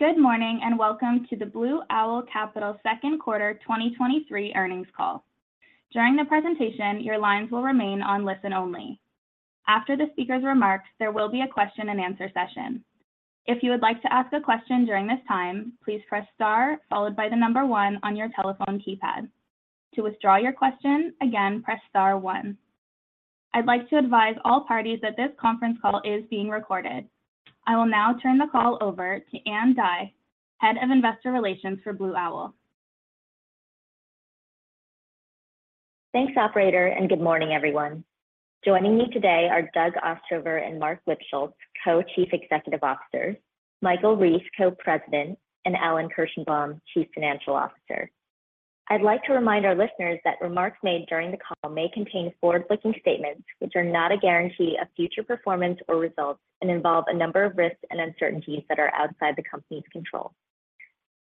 Good morning, and welcome to the Blue Owl Capital Second Quarter 2023 Earnings Call. During the presentation, your lines will remain on listen only. After the speaker's remarks, there will be a question-and-answer session. If you would like to ask a question during this time, please press star followed by one on your telephone keypad. To withdraw your question, again, press star one. I'd like to advise all parties that this conference call is being recorded. I will now turn the call over to Ann Dai, Head of Investor Relations for Blue Owl. Thanks, operator. Good morning, everyone. Joining me today are Doug Ostrover and Marc Lipschultz, Co-Chief Executive Officers, Michael Rees, Co-President, and Alan Kirshenbaum, Chief Financial Officer. I'd like to remind our listeners that remarks made during the call may contain forward-looking statements, which are not a guarantee of future performance or results and involve a number of risks and uncertainties that are outside the company's control.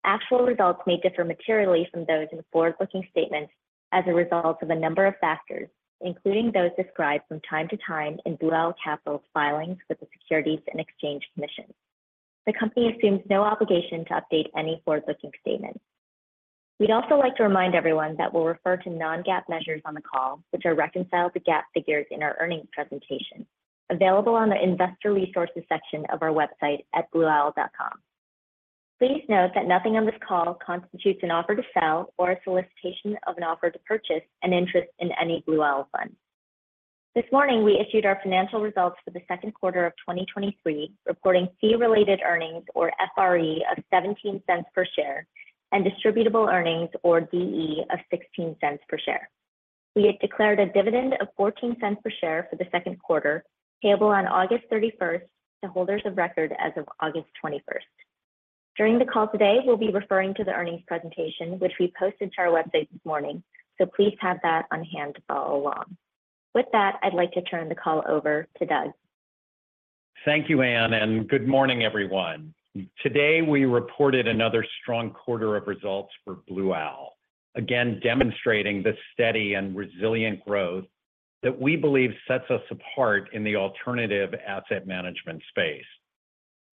Actual results may differ materially from those in forward-looking statements as a result of a number of factors, including those described from time to time in Blue Owl Capital's filings with the Securities and Exchange Commission. The company assumes no obligation to update any forward-looking statements. We'd also like to remind everyone that we'll refer to non-GAAP measures on the call, which are reconciled to GAAP figures in our earnings presentation, available on the Investor Resources section of our website at blueowl.com. Please note that nothing on this call constitutes an offer to sell or a solicitation of an offer to purchase an interest in any Blue Owl fund. This morning, we issued our financial results for the second quarter of 2023, reporting fee-related earnings, or FRE, of $0.17 per share, and distributable earnings, or DE, of $0.16 per share. We have declared a dividend of $0.14 per share for the second quarter, payable on August 31st to holders of record as of August 21st. During the call today, we'll be referring to the earnings presentation, which we posted to our website this morning, so please have that on hand to follow along. With that, I'd like to turn the call over to Doug. Thank you, Ann. Good morning, everyone. Today, we reported another strong quarter of results for Blue Owl, again demonstrating the steady and resilient growth that we believe sets us apart in the alternative asset management space.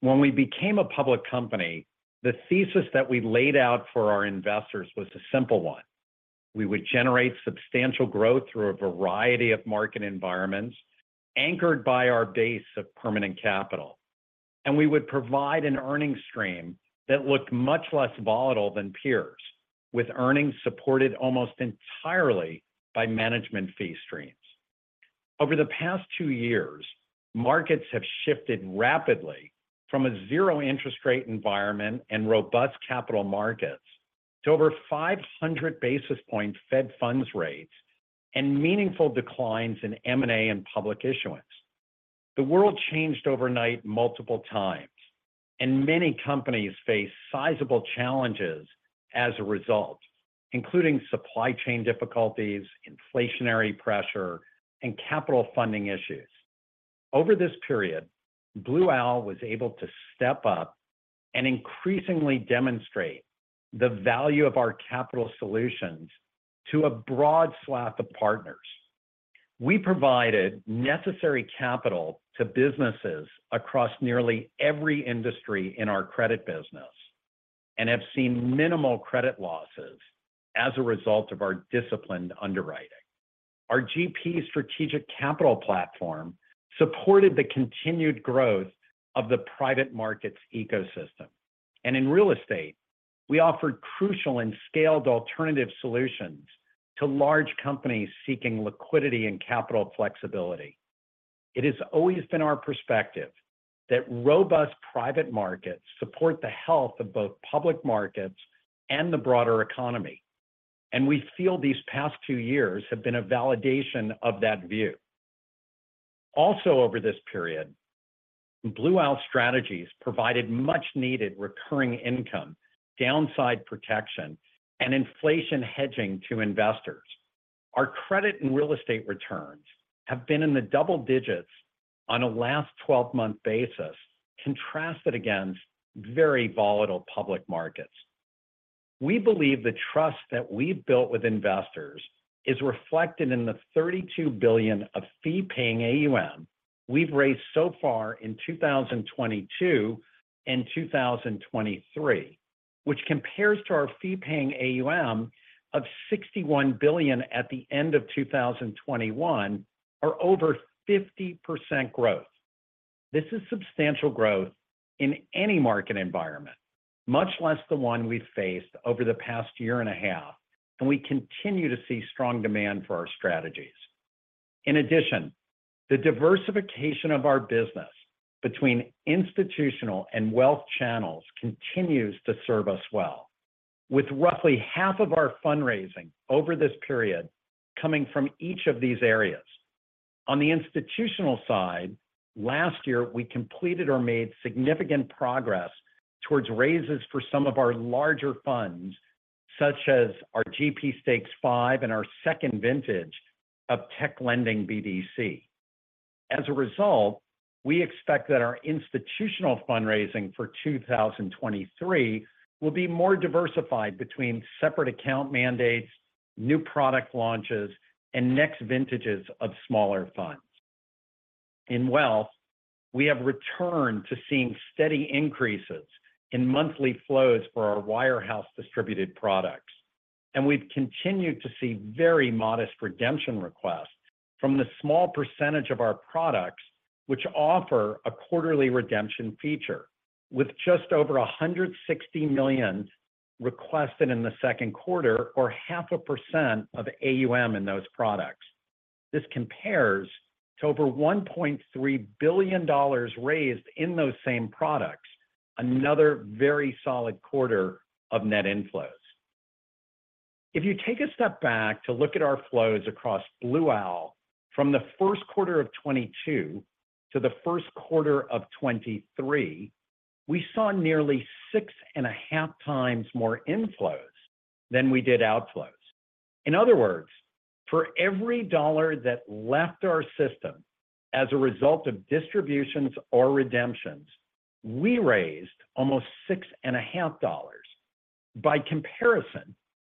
When we became a public company, the thesis that we laid out for our investors was a simple one: We would generate substantial growth through a variety of market environments, anchored by our base of permanent capital, and we would provide an earning stream that looked much less volatile than peers, with earnings supported almost entirely by management fee streams. Over the past two years, markets have shifted rapidly from a zero interest rate environment and robust capital markets to over 500 basis point Fed funds rates and meaningful declines in M&A and public issuance. The world changed overnight multiple times, and many companies face sizable challenges as a result, including supply chain difficulties, inflationary pressure, and capital funding issues. Over this period, Blue Owl was able to step up and increasingly demonstrate the value of our capital solutions to a broad swath of partners. We provided necessary capital to businesses across nearly every industry in our credit business and have seen minimal credit losses as a result of our disciplined underwriting. Our GP Strategic Capital platform supported the continued growth of the private markets ecosystem, and in real estate, we offered crucial and scaled alternative solutions to large companies seeking liquidity and capital flexibility. It has always been our perspective that robust private markets support the health of both public markets and the broader economy, and we feel these past two years have been a validation of that view. Also, over this period, Blue Owl strategies provided much-needed recurring income, downside protection, and inflation hedging to investors. Our credit and real estate returns have been in the double digits on a last twelve-month basis, contrasted against very volatile public markets. We believe the trust that we've built with investors is reflected in the $32 billion of fee-paying AUM we've raised so far in 2022 and 2023, which compares to our fee-paying AUM of $61 billion at the end of 2021, or over 50% growth. This is substantial growth in any market environment, much less the one we've faced over the past year and a half, and we continue to see strong demand for our strategies. In addition, the diversification of our business between institutional and wealth channels continues to serve us well, with roughly half of our fundraising over this period coming from each of these areas. On the institutional side, last year, we completed or made significant progress towards raises for some of our larger funds, such as our GP Stakes V and our second vintage of tech lending BDC. As a result, we expect that our institutional fundraising for 2023 will be more diversified between separate account mandates, new product launches, and next vintages of smaller funds. In wealth, we have returned to seeing steady increases in monthly flows for our wirehouse distributed products, and we've continued to see very modest redemption requests from the small percentage of our products, which offer a quarterly redemption feature, with just over $160 million requested in the second quarter, or 0.5% of AUM in those products. This compares to over $1.3 billion raised in those same products, another very solid quarter of net inflows. If you take a step back to look at our flows across Blue Owl, from the first quarter of 2022 to the first quarter of 2023, we saw nearly 6.5 times more inflows than we did outflows. In other words, for every dollar that left our system as a result of distributions or redemptions, we raised almost $6.5. By comparison,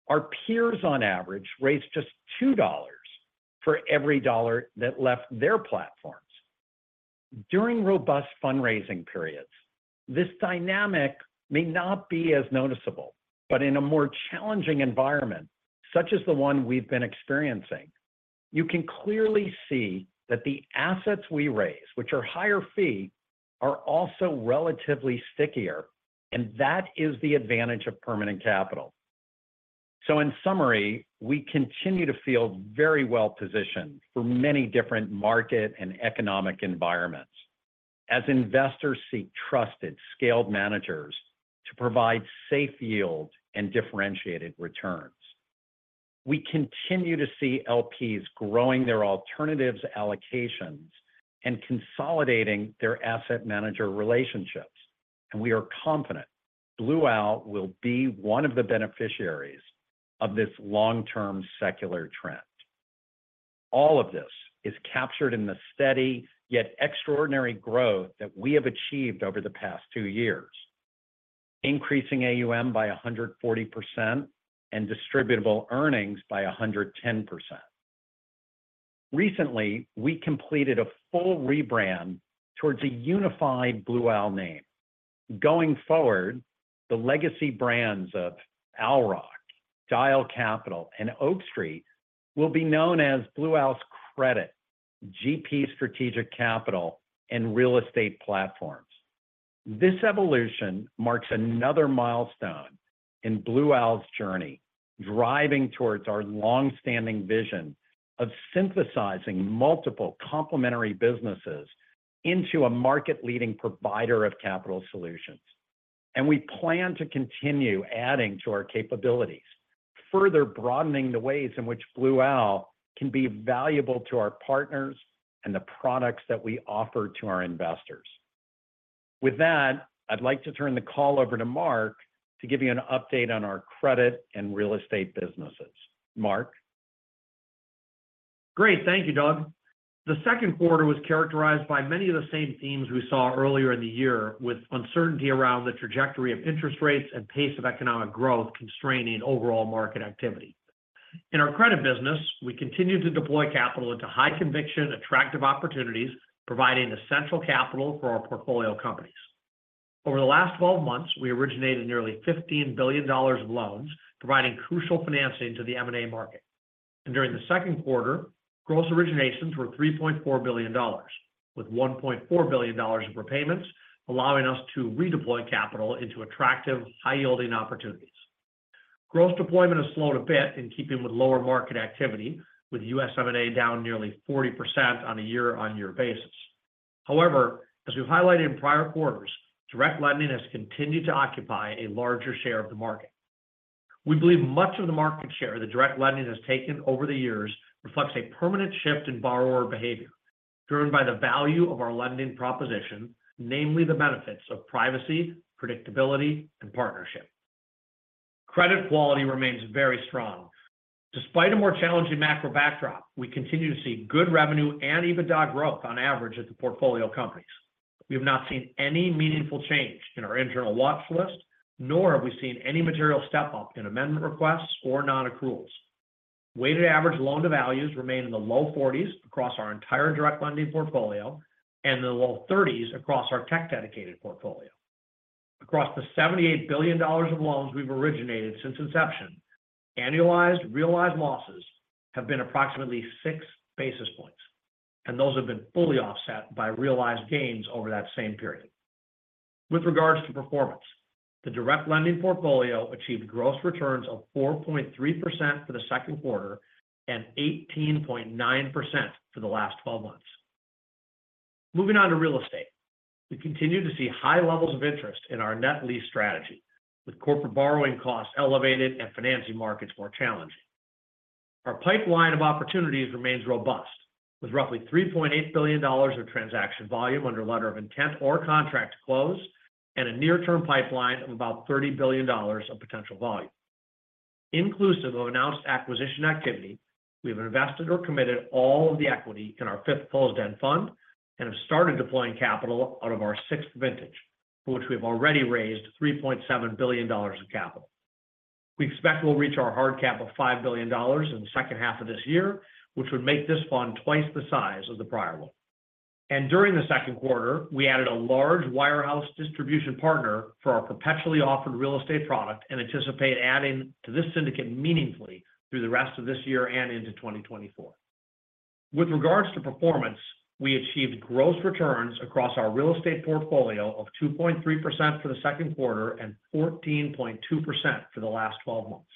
our peers on average raised just $2 for every dollar that left their platforms. During robust fundraising periods, this dynamic may not be as noticeable, but in a more challenging environment, such as the one we've been experiencing, you can clearly see that the assets we raise, which are higher fee, are also relatively stickier, and that is the advantage of permanent capital. In summary, we continue to feel very well positioned for many different market and economic environments as investors seek trusted, scaled managers to provide safe yield and differentiated returns. We continue to see LPs growing their alternatives allocations and consolidating their asset manager relationships, and we are confident Blue Owl will be one of the beneficiaries of this long-term secular trend. All of this is captured in the steady, yet extraordinary growth that we have achieved over the past two years, increasing AUM by 140% and distributable earnings by 110%. Recently, we completed a full rebrand towards a unified Blue Owl name. Going forward, the legacy brands of Owl Rock, Dyal Capital, and Oak Street will be known as Blue Owl's Credit, GP Strategic Capital, and Real Estate Platforms. This evolution marks another milestone in Blue Owl's journey, driving towards our long-standing vision of synthesizing multiple complementary businesses into a market-leading provider of capital solutions. We plan to continue adding to our capabilities, further broadening the ways in which Blue Owl can be valuable to our partners and the products that we offer to our investors. With that, I'd like to turn the call over to Marc to give you an update on our credit and real estate businesses. Marc? Great. Thank you, Doug. The second quarter was characterized by many of the same themes we saw earlier in the year, with uncertainty around the trajectory of interest rates and pace of economic growth constraining overall market activity. In our credit business, we continued to deploy capital into high-conviction, attractive opportunities, providing essential capital for our portfolio companies. Over the last 12 months, we originated nearly $15 billion of loans, providing crucial financing to the M&A market. During the second quarter, gross originations were $3.4 billion, with $1.4 billion of repayments, allowing us to redeploy capital into attractive, high-yielding opportunities. Gross deployment has slowed a bit in keeping with lower market activity, with U.S. M&A down nearly 40% on a year-on-year basis. As we've highlighted in prior quarters, direct lending has continued to occupy a larger share of the market. We believe much of the market share that direct lending has taken over the years reflects a permanent shift in borrower behavior, driven by the value of our lending proposition, namely the benefits of privacy, predictability, and partnership. Credit quality remains very strong. Despite a more challenging macro backdrop, we continue to see good revenue and EBITDA growth on average at the portfolio companies. We have not seen any meaningful change in our internal watch list, nor have we seen any material step-up in amendment requests or non-accruals. Weighted average Loan-to-Values remain in the low 40s across our entire direct lending portfolio and in the low 30s across our tech-dedicated portfolio. Across the $78 billion of loans we've originated since inception, annualized realized losses have been approximately six basis points, and those have been fully offset by realized gains over that same period. With regards to performance, the direct lending portfolio achieved gross returns of 4.3% for the second quarter and 18.9% for the last twelve months. Moving on to real estate. We continue to see high levels of interest in our net lease strategy, with corporate borrowing costs elevated and financing markets more challenging. Our pipeline of opportunities remains robust, with roughly $3.8 billion of transaction volume under letter of intent or contract closed, and a near-term pipeline of about $30 billion of potential volume. Inclusive of announced acquisition activity, we have invested or committed all of the equity in our fifth closed-end fund and have started deploying capital out of our sixth vintage, for which we have already raised $3.7 billion of capital. We expect we'll reach our hard cap of $5 billion in the second half of this year, which would make this fund twice the size of the prior one. During the second quarter, we added a large wirehouse distribution partner for our perpetually offered real estate product, and anticipate adding to this syndicate meaningfully through the rest of this year and into 2024. With regards to performance, we achieved gross returns across our real estate portfolio of 2.3% for the second quarter and 14.2% for the last 12 months.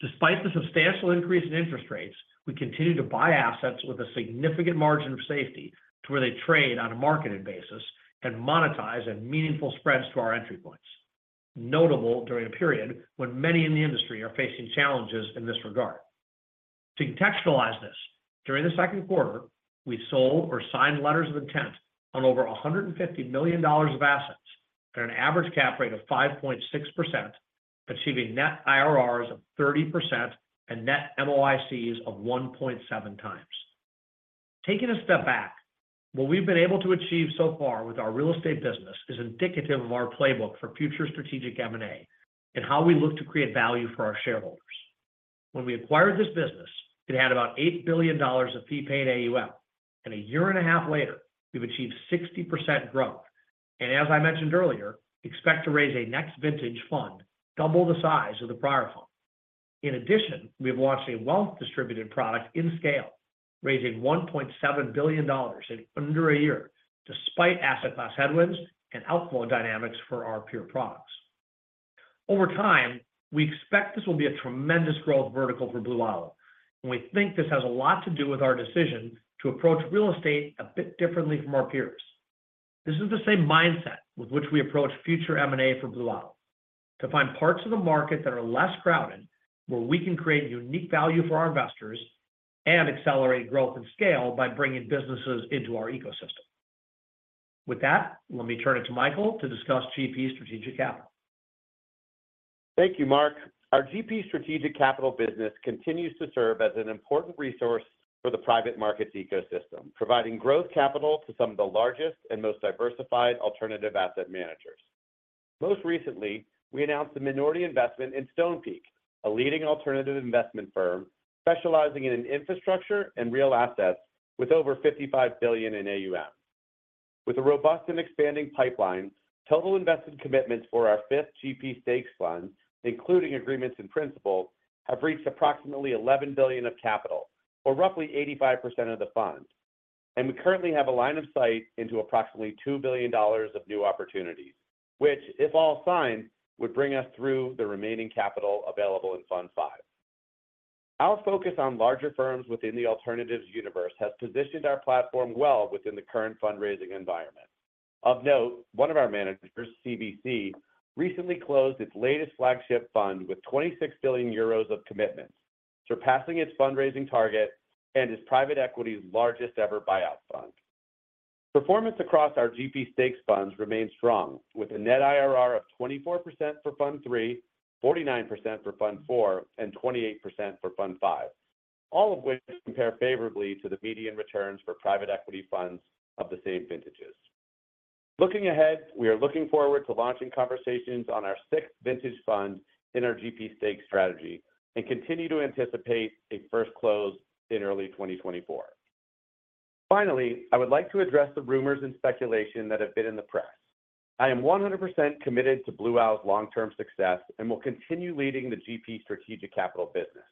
Despite the substantial increase in interest rates, we continue to buy assets with a significant margin of safety to where they trade on a marketed basis and monetize at meaningful spreads to our entry points. Notable during a period when many in the industry are facing challenges in this regard. To contextualize this, during the second quarter, we sold or signed letters of intent on over $150 million of assets at an average cap rate of 5.6%, achieving net IRRs of 30% and net MOICs of 1.7x. Taking a step back, what we've been able to achieve so far with our real estate business is indicative of our playbook for future strategic M&A, and how we look to create value for our shareholders. When we acquired this business, it had about $8 billion of fee paid AUM, and a year and a half later, we've achieved 60% growth. As I mentioned earlier, expect to raise a next vintage fund double the size of the prior fund. In addition, we have launched a wealth-distributed product in scale, raising $1.7 billion in under a year, despite asset class headwinds and outflow dynamics for our peer products. Over time, we expect this will be a tremendous growth vertical for Blue Owl, and we think this has a lot to do with our decision to approach real estate a bit differently from our peers. This is the same mindset with which we approach future M&A for Blue Owl: to find parts of the market that are less crowded, where we can create unique value for our investors and accelerate growth and scale by bringing businesses into our ecosystem. With that, let me turn it to Michael to discuss GP Strategic Capital. Thank you, Marc. Our GP Strategic Capital business continues to serve as an important resource for the private markets ecosystem, providing growth capital to some of the largest and most diversified alternative asset managers. Most recently, we announced a minority investment in Stonepeak, a leading alternative investment firm specializing in infrastructure and real assets with over $55 billion in AUM. With a robust and expanding pipeline, total invested commitments for our fifth GP Stakes fund, including agreements in principle, have reached approximately $11 billion of capital, or roughly 85% of the fund. We currently have a line of sight into approximately $2 billion of new opportunities, which, if all signed, would bring us through the remaining capital available in Fund V. Our focus on larger firms within the alternatives universe has positioned our platform well within the current fundraising environment. Of note, one of our managers, CVC, recently closed its latest flagship fund with 26 billion euros of commitments, surpassing its fundraising target and is private equity's largest-ever buyout fund. Performance across our GP stakes funds remains strong, with a net IRR of 24% for Fund III, 49% for Fund IV, and 28% for Fund V, all of which compare favorably to the median returns for private equity funds of the same vintages. Looking ahead, we are looking forward to launching conversations on our sixth vintage fund in our GP stakes strategy and continue to anticipate a first close in early 2024. Finally, I would like to address the rumors and speculation that have been in the press. I am 100% committed to Blue Owl's long-term success and will continue leading the GP Strategic Capital business.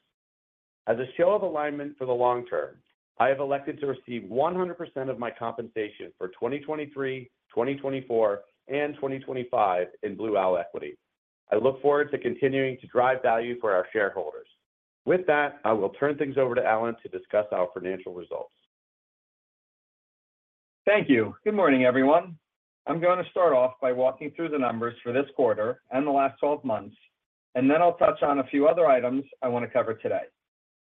As a show of alignment for the long term, I have elected to receive 100% of my compensation for 2023, 2024, and 2025 in Blue Owl equity. I look forward to continuing to drive value for our shareholders. With that, I will turn things over to Alan to discuss our financial results. Thank you. Good morning, everyone. I'm going to start off by walking through the numbers for this quarter and the last 12 months, and then I'll touch on a few other items I want to cover today.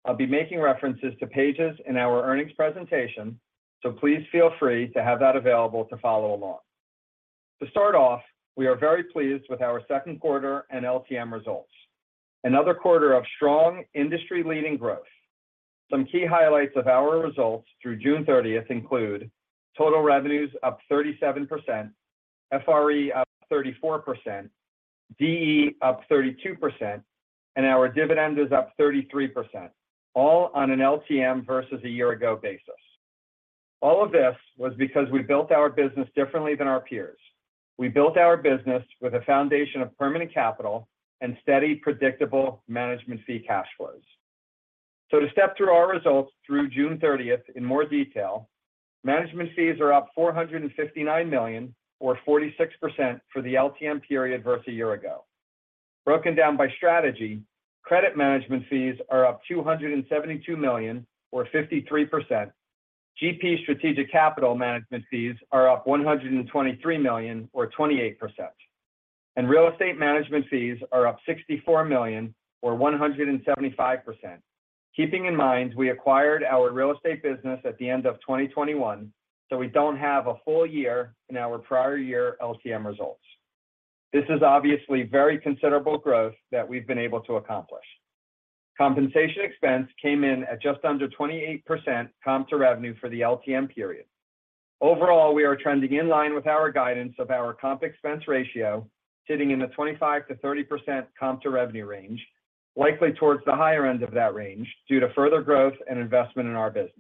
I'll be making references to pages in our earnings presentation, so please feel free to have that available to follow along. To start off, we are very pleased with our second quarter and LTM results. Another quarter of strong industry-leading growth. Some key highlights of our results through June 30th include: total revenues up 37%, FRE up 34%, DE up 32%, and our dividend is up 33%, all on an LTM versus a year-ago basis. All of this was because we built our business differently than our peers. We built our business with a foundation of permanent capital and steady, predictable management fee cash flows. To step through our results through June 30th in more detail, management fees are up $459 million or 46% for the LTM period versus a year ago. Broken down by strategy, credit management fees are up $272 million or 53%. GP Strategic Capital management fees are up $123 million or 28%, Real estate management fees are up $64 million or 175%. Keeping in mind, we acquired our real estate business at the end of 2021, we don't have a full year in our prior year LTM results. This is obviously very considerable growth that we've been able to accomplish. Compensation expense came in at just under 28% comp to revenue for the LTM period. Overall, we are trending in line with our guidance of our comp expense ratio, sitting in the 25%-30% comp to revenue range, likely towards the higher end of that range, due to further growth and investment in our business.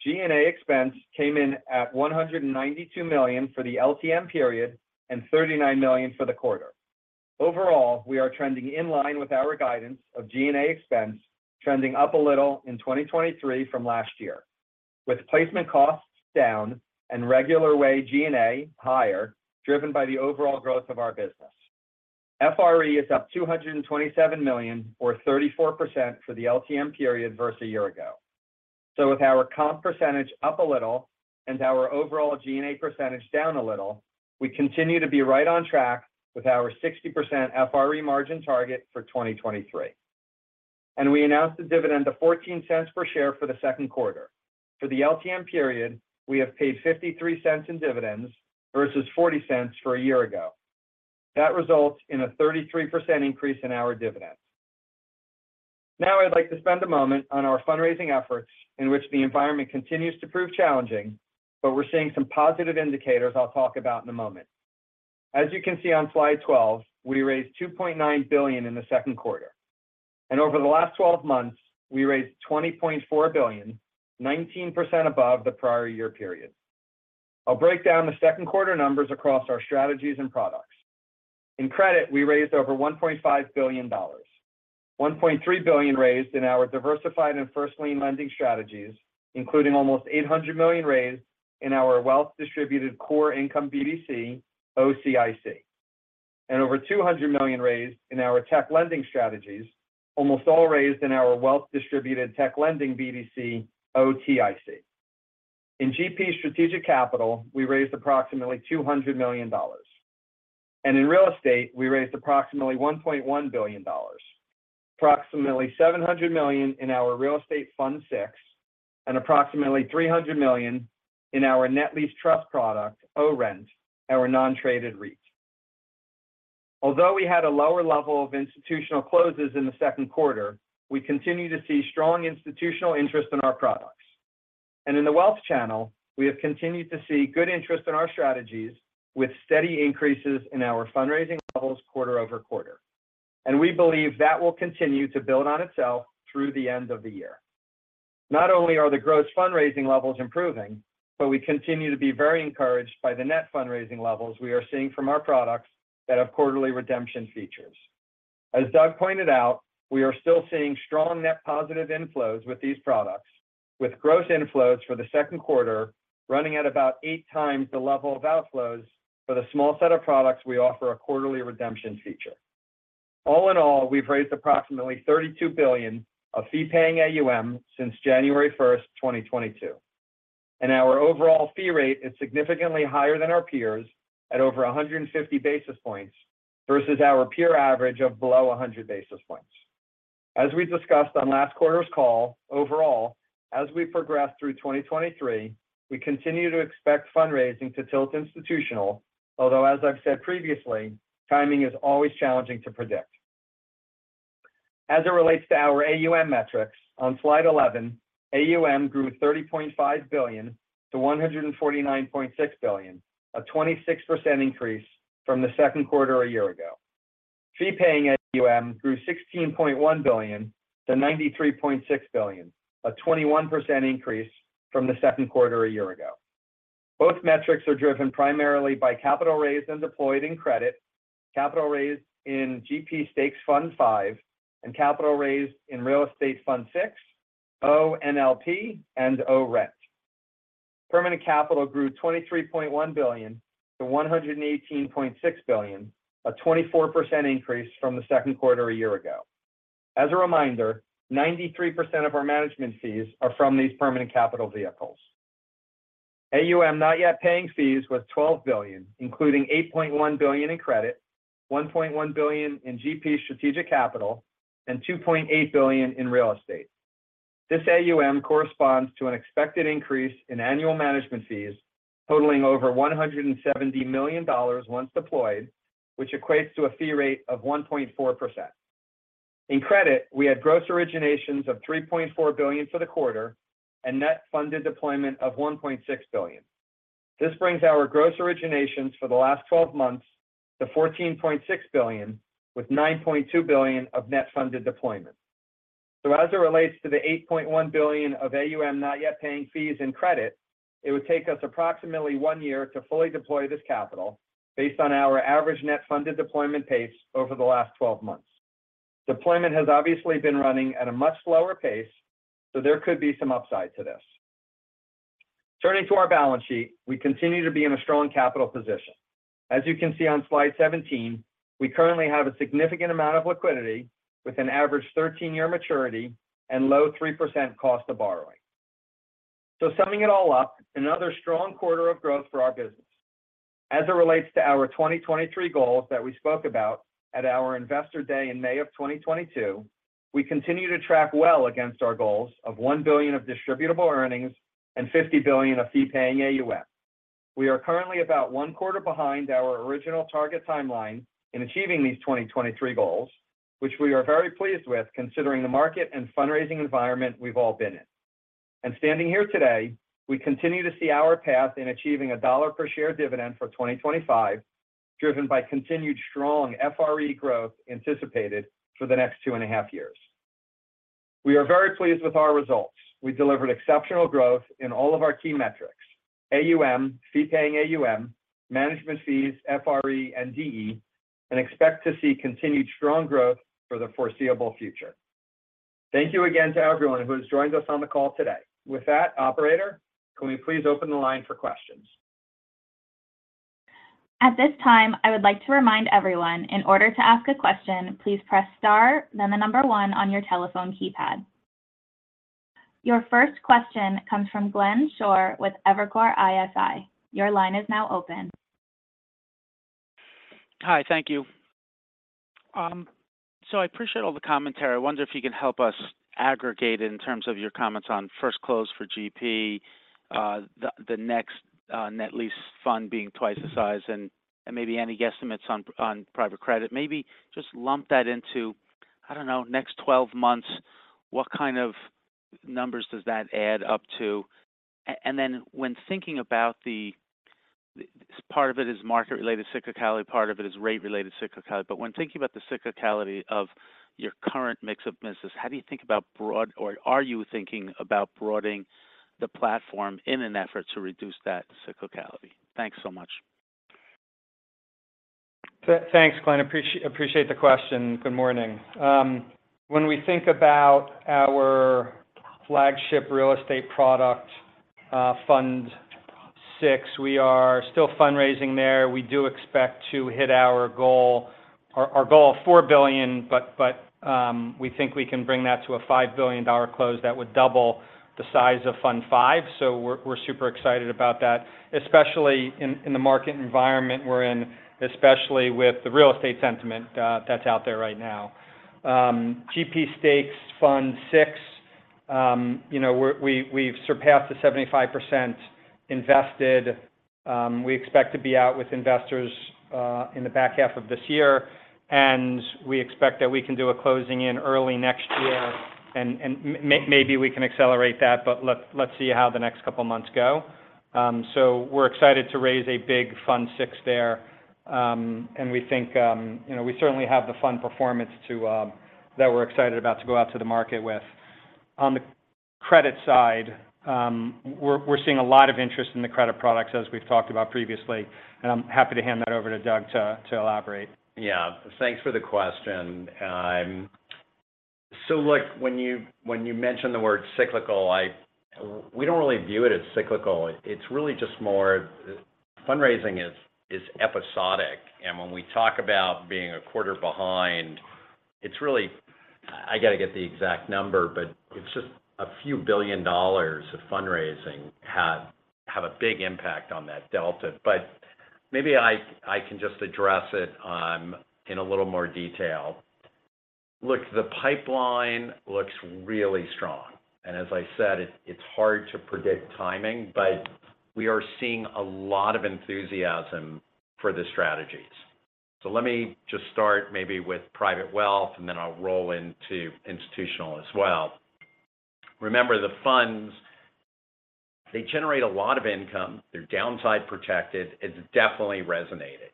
G&A expense came in at $192 million for the LTM period, and $39 million for the quarter. Overall, we are trending in line with our guidance of G&A expense, trending up a little in 2023 from last year, with placement costs down and regular way G&A higher, driven by the overall growth of our business. FRE is up $227 million or 34% for the LTM period versus a year ago. With our comp percentage up a little and our overall G&A percentage down a little, we continue to be right on track with our 60% FRE margin target for 2023. We announced a dividend of $0.14 per share for the second quarter. For the LTM period, we have paid $0.53 in dividends versus $0.40 for a year ago. That results in a 33% increase in our dividends. I'd like to spend a moment on our fundraising efforts, in which the environment continues to prove challenging, but we're seeing some positive indicators I'll talk about in a moment. As you can see on slide 12, we raised $2.9 billion in the second quarter. Over the last 12 months, we raised $20.4 billion, 19% above the prior year period. I'll break down the second quarter numbers across our strategies and products. In credit, we raised over $1.5 billion. $1.3 billion raised in our diversified and first lien lending strategies, including almost $800 million raised in our wealth-distributed core income BDC, OCIC, and over $200 million raised in our tech lending strategies, almost all raised in our wealth distributed tech lending BDC, OTIC. In GP Strategic Capital, we raised approximately $200 million. In real estate, we raised approximately $1.1 billion, approximately $700 million in our Real Estate Fund VI, and approximately $300 million in our net lease trust product, ORENT, our non-traded REIT. Although we had a lower level of institutional closes in the second quarter, we continue to see strong institutional interest in our products. In the wealth channel, we have continued to see good interest in our strategies, with steady increases in our fundraising levels quarter-over-quarter. We believe that will continue to build on itself through the end of the year. Not only are the gross fundraising levels improving, but we continue to be very encouraged by the net fundraising levels we are seeing from our products that have quarterly redemption features. As Doug pointed out, we are still seeing strong net positive inflows with these products, with gross inflows for the second quarter running at about eight times the level of outflows for the small set of products we offer a quarterly redemption feature. All in all, we've raised approximately $32 billion of fee-paying AUM since January 1, 2022, and our overall fee rate is significantly higher than our peers at over 150 basis points versus our peer average of below 100 basis points. As we discussed on last quarter's call, overall, as we progress through 2023, we continue to expect fundraising to tilt institutional, although, as I've said previously, timing is always challenging to predict. As it relates to our AUM metrics, on slide 11, AUM grew $30.5 billion to $149.6 billion, a 26% increase from the second quarter a year ago. Fee-paying AUM grew $16.1 billion to $93.6 billion, a 21% increase from the second quarter a year ago. Both metrics are driven primarily by capital raised and deployed in credit, capital raised in GP Stakes Fund V, and capital raised in Real Estate Fund VI, ONLP, and ORENT. Permanent capital grew $23.1 billion to $118.6 billion, a 24% increase from the second quarter a year ago. As a reminder, 93% of our management fees are from these permanent capital vehicles. AUM, not yet paying fees, was $12 billion, including $8.1 billion in credit, $1.1 billion in GP Strategic Capital, and $2.8 billion in real estate. This AUM corresponds to an expected increase in annual management fees totaling over $170 million once deployed, which equates to a fee rate of 1.4%. In Credit, we had gross originations of $3.4 billion for the quarter and net funded deployment of $1.6 billion. This brings our gross originations for the last 12 months to $14.6 billion, with $9.2 billion of net funded deployment. As it relates to the $8.1 billion of AUM not yet paying fees and credit, it would take us approximately one year to fully deploy this capital based on our average net funded deployment pace over the last 12 months. Deployment has obviously been running at a much slower pace, so there could be some upside to this. Turning to our balance sheet, we continue to be in a strong capital position. As you can see on slide 17, we currently have a significant amount of liquidity, with an average 13-year maturity and low 3% cost of borrowing. Summing it all up, another strong quarter of growth for our business. As it relates to our 2023 goals that we spoke about at our Investor Day in May of 2022, we continue to track well against our goals of $1 billion of distributable earnings and $50 billion of fee-paying AUM. We are currently about one quarter behind our original target timeline in achieving these 2023 goals, which we are very pleased with, considering the market and fundraising environment we've all been in. Standing here today, we continue to see our path in achieving a $1 per share dividend for 2025, driven by continued strong FRE growth anticipated for the next two and a half years. We are very pleased with our results. We delivered exceptional growth in all of our key metrics: AUM, fee-paying AUM, management fees, FRE, and DE, and expect to see continued strong growth for the foreseeable future. Thank you again to everyone who has joined us on the call today. With that, operator, can we please open the line for questions? At this time, I would like to remind everyone, in order to ask a question, please press star, then the number one on your telephone keypad. Your first question comes from Glenn Schorr with Evercore ISI. Your line is now open. Hi, thank you. I appreciate all the commentary. I wonder if you can help us aggregate in terms of your comments on first close for GP, the next net lease fund being twice the size and maybe any guesstimates on private credit. Maybe just lump that into, I don't know, next 12 months, what kind of numbers does that add up to? Then when thinking about the part of it is market-related cyclicality, part of it is rate-related cyclicality, but when thinking about the cyclicality of your current mix of business, how do you think about broadening the platform in an effort to reduce that cyclicality? Thanks so much. Thanks, Glenn. Appreciate the question. Good morning. When we think about our flagship real estate product, Fund VI, we are still fundraising there. We do expect to hit our goal, our, our goal of $4 billion, but, but, we think we can bring that to a $5 billion close that would double the size of Fund V. We're, we're super excited about that, especially in, in the market environment we're in, especially with the real estate sentiment that's out there right now. GP Stakes Fund VI, you know, we've, we've surpassed the 75% invested. We expect to be out with investors in the back half of this year, we expect that we can do a closing in early next year, and maybe we can accelerate that, but let's, let's see how the next couple of months go. We're excited to raise a big Fund VI there. We think, you know, we certainly have the fund performance to, that we're excited about to go out to the market with. On the credit side, we're, we're seeing a lot of interest in the credit products as we've talked about previously, and I'm happy to hand that over to Doug to elaborate. Yeah. Thanks for the question. Look, when you, when you mention the word cyclical, we don't really view it as cyclical. It's really just more, fundraising is episodic, when we talk about being a quarter behind, it's really, I gotta get the exact number, it's just a few billion dollars of fundraising have a big impact on that delta. Maybe I, I can just address it in a little more detail. Look, the pipeline looks really strong, as I said, it's hard to predict timing, we are seeing a lot of enthusiasm for the strategies. Let me just start maybe with private wealth, and then I'll roll into institutional as well. Remember, the funds, they generate a lot of income. They're downside protected. It's definitely resonated.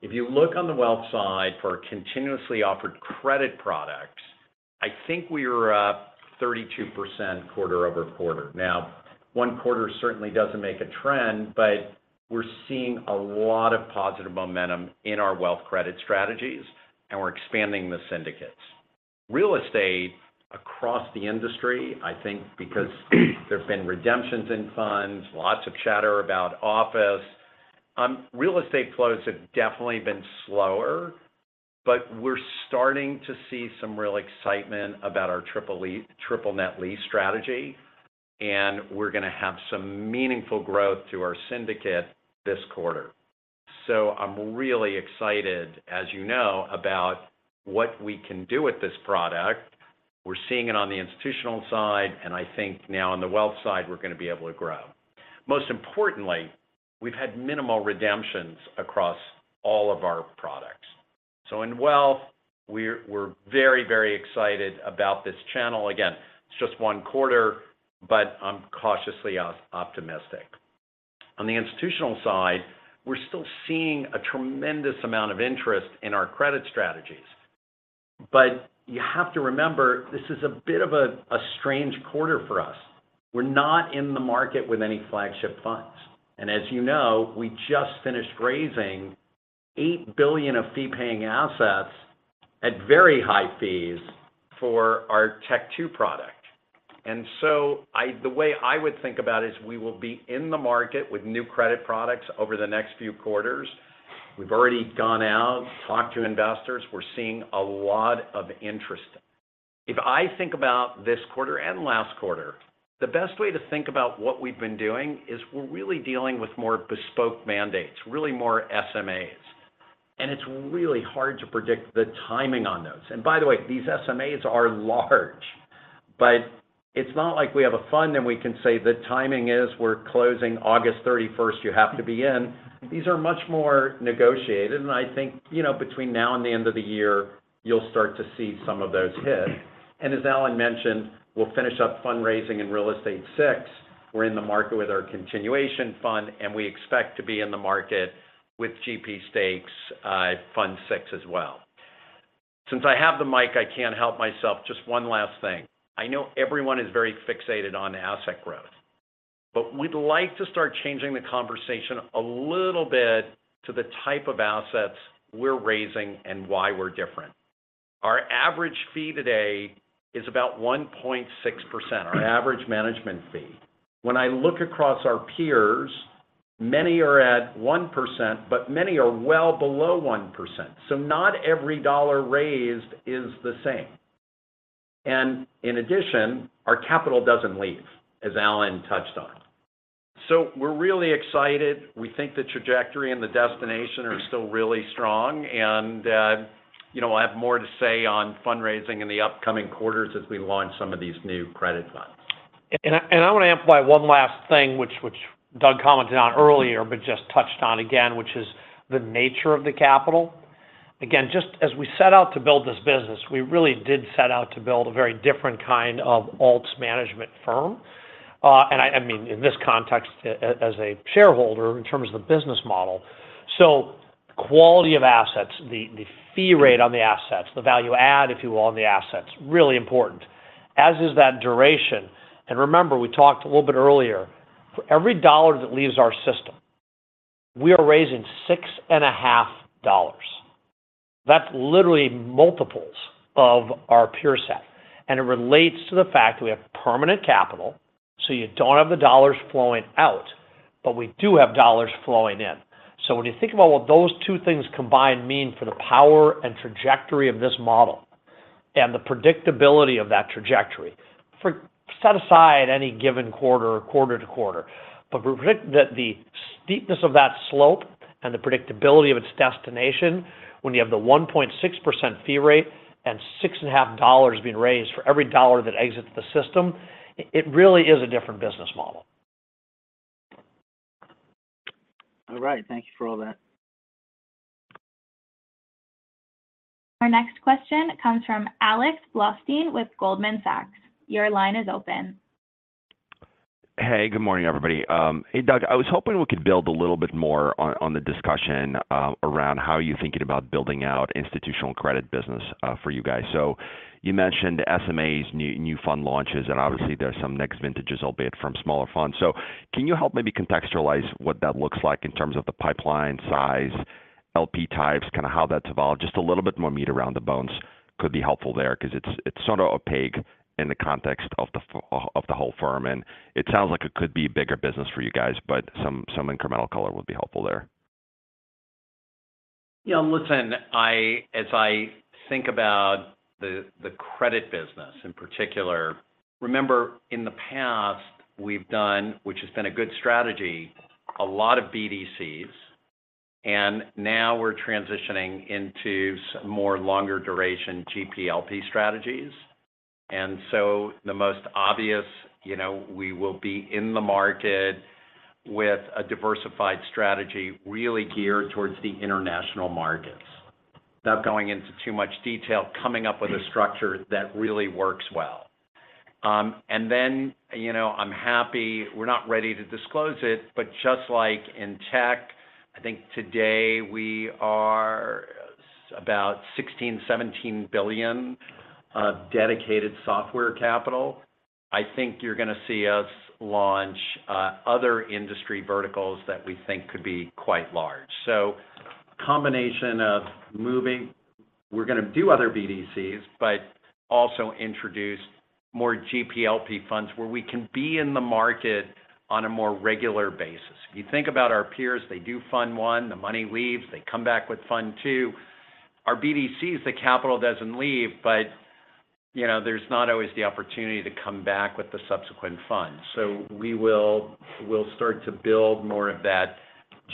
If you look on the wealth side for continuously offered credit products, I think we are up 32% quarter-over-quarter. One quarter certainly doesn't make a trend, but we're seeing a lot of positive momentum in our wealth credit strategies, and we're expanding the syndicates. Real estate across the industry, I think because there have been redemptions in funds, lots of chatter about office, real estate flows have definitely been slower, but we're starting to see some real excitement about our Triple Net Lease strategy, and we're gonna have some meaningful growth to our syndicate this quarter. I'm really excited, as you know, about what we can do with this product. We're seeing it on the institutional side, and I think now on the wealth side, we're gonna be able to grow. Most importantly, we've had minimal redemptions across all of our products. In wealth, we're, we're very, very excited about this channel. Again, it's just one quarter, but I'm cautiously optimistic. On the institutional side, we're still seeing a tremendous amount of interest in our credit strategies. You have to remember, this is a bit of a, a strange quarter for us. We're not in the market with any flagship funds. As you know, we just finished raising $8 billion of fee-paying assets at very high fees for our Tech II product. I, the way I would think about it is we will be in the market with new credit products over the next few quarters. We've already gone out, talked to investors. We're seeing a lot of interest. If I think about this quarter and last quarter, the best way to think about what we've been doing is we're really dealing with more bespoke mandates, really more SMAs. And it's really hard to predict the timing on those. By the way, these SMAs are large, but it's not like we have a fund, and we can say, "The timing is we're closing August 31st, you have to be in." These are much more negotiated, and I think, you know, between now and the end of the year, you'll start to see some of those hit. As Alan mentioned, we'll finish up fundraising in Real Estate VI. We're in the market with our continuation fund, and we expect to be in the market with GP Stakes Fund VI as well. Since I have the mic, I can't help myself. Just one last thing. I know everyone is very fixated on asset growth. We'd like to start changing the conversation a little bit to the type of assets we're raising and why we're different. Our average fee today is about 1.6%, our average management fee. When I look across our peers, many are at 1%, but many are well below 1%. Not every dollar raised is the same. In addition, our capital doesn't leave, as Alan touched on. We're really excited. We think the trajectory and the destination are still really strong. You know, I'll have more to say on fundraising in the upcoming quarters as we launch some of these new credit funds. I wanna amplify one last thing, which, which Doug commented on earlier, but just touched on again, which is the nature of the capital. Again, just as we set out to build this business, we really did set out to build a very different kind of alts management firm. I mean, in this context, as a shareholder, in terms of the business model. Quality of assets, the, the fee rate on the assets, the value add, if you will, on the assets, really important, as is that duration. Remember, we talked a little earlier, for every dollar that leaves our system, we are raising $6.5. That's literally multiples of our peer set, and it relates to the fact that we have permanent capital, so you don't have the dollars flowing out, but we do have dollars flowing in. When you think about what those two things combined mean for the power and trajectory of this model, and the predictability of that trajectory, for set aside any given quarter or quarter to quarter, but predict that the steepness of that slope and the predictability of its destination, when you have the 1.6% fee rate and $6.50 being raised for every dollar that exits the system, it really is a different business model. All right. Thank you for all that. Our next question comes from Alex Blostein with Goldman Sachs. Your line is open. Hey, good morning, everybody. Hey, Doug, I was hoping we could build a little bit more on, on the discussion around how you're thinking about building out institutional credit business for you guys. You mentioned SMAs, new, new fund launches, and obviously there are some next vintages, albeit from smaller funds. Can you help maybe contextualize what that looks like in terms of the pipeline size, LP types, kind of how that's evolved? Just a little bit more meat around the bones could be helpful there, 'cause it's, it's sort of opaque in the context of the of, of the whole firm, and it sounds like it could be a bigger business for you guys, but some, some incremental color would be helpful there. Yeah, listen, as I think about the credit business in particular, remember, in the past, we've done, which has been a good strategy, a lot of BDCs, now we're transitioning into some more longer duration GPLP strategies. So the most obvious, you know, we will be in the market with a diversified strategy, really geared towards the international markets. Without going into too much detail, coming up with a structure that really works well. Then, you know, I'm happy. We're not ready to disclose it, but just like in tech, I think today we are about $16 billion-$17 billion dedicated software capital. I think you're gonna see us launch other industry verticals that we think could be quite large. Combination of we're gonna do other BDCs, but also introduce more GPLP funds, where we can be in the market on a more regular basis. If you think about our peers, they do Fund I, the money leaves, they come back with Fund II. Our BDCs, the capital doesn't leave, but, you know, there's not always the opportunity to come back with the subsequent funds. We'll start to build more of that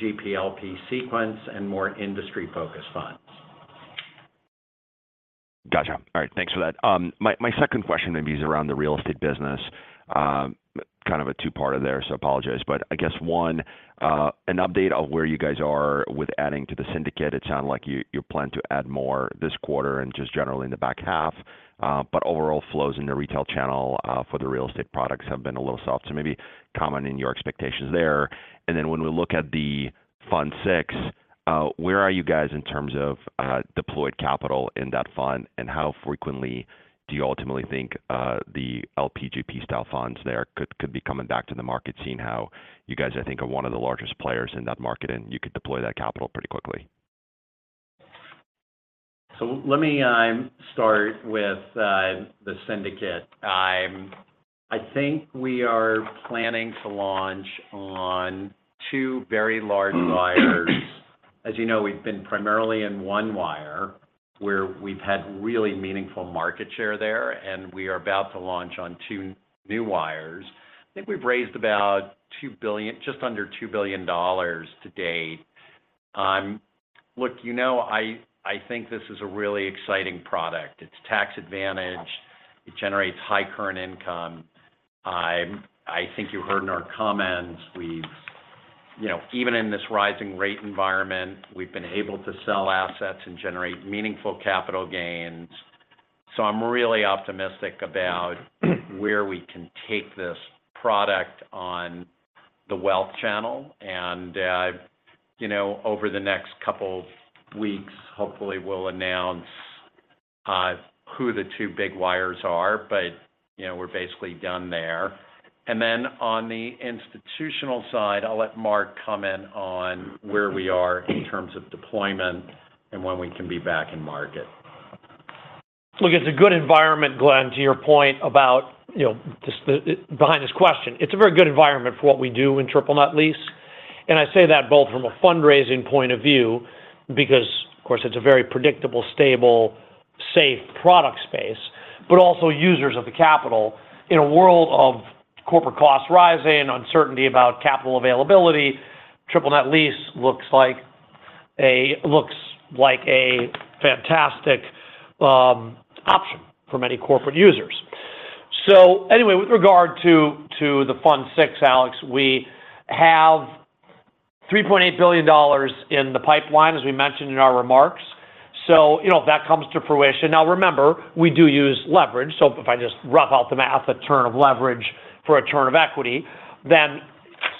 GPLP sequence and more industry-focused funds. Gotcha. All right, thanks for that. My, my second question maybe is around the Real Estate business. Kind of a two-parter there, so apologize. I guess one, an update on where you guys are with adding to the syndicate. It sounded like you, you plan to add more this quarter and just generally in the back half, but overall flows in the retail channel for the Real Estate products have been a little soft. Maybe commenting your expectations there. When we look at the Fund VI, where are you guys in terms of deployed capital in that fund? How frequently do you ultimately think the LPGP style funds there could, could be coming back to the market, seeing how you guys, I think, are one of the largest players in that market, and you could deploy that capital pretty quickly? Let me start with the syndicate. We are planning to launch on two very large wires. As you know, we've been primarily in one wire where we've had really meaningful market share there, and we are about to launch on two new wires. I think we've raised about $2 billion, just under $2 billion to date. Look, you know, I, I think this is a really exciting product. It's tax advantage. It generates high current income. You heard in our comments, even in this rising rate environment, we've been able to sell assets and generate meaningful capital gains. I'm really optimistic about where we can take this product on the wealth channel, and, you know, over the next couple weeks, hopefully we'll announce who the two big wires are. You know, we're basically done there. On the institutional side, I'll let Marc comment on where we are in terms of deployment and when we can be back in market. Look, it's a good environment, Glenn, to your point about, you know, just behind this question. It's a very good environment for what we do in Triple Net Lease. I say that both from a fundraising point of view, because, of course, it's a very predictable, stable, safe product space, but also users of the capital. In a world of corporate costs rising, uncertainty about capital availability, Triple Net Lease looks like a fantastic option for many corporate users. Anyway, with regard to the Fund VI, Alex, we have $3.8 billion in the pipeline, as we mentioned in our remarks. You know, if that comes to fruition. Now, remember, we do use leverage. If I just rough out the math, a turn of leverage for a turn of equity, then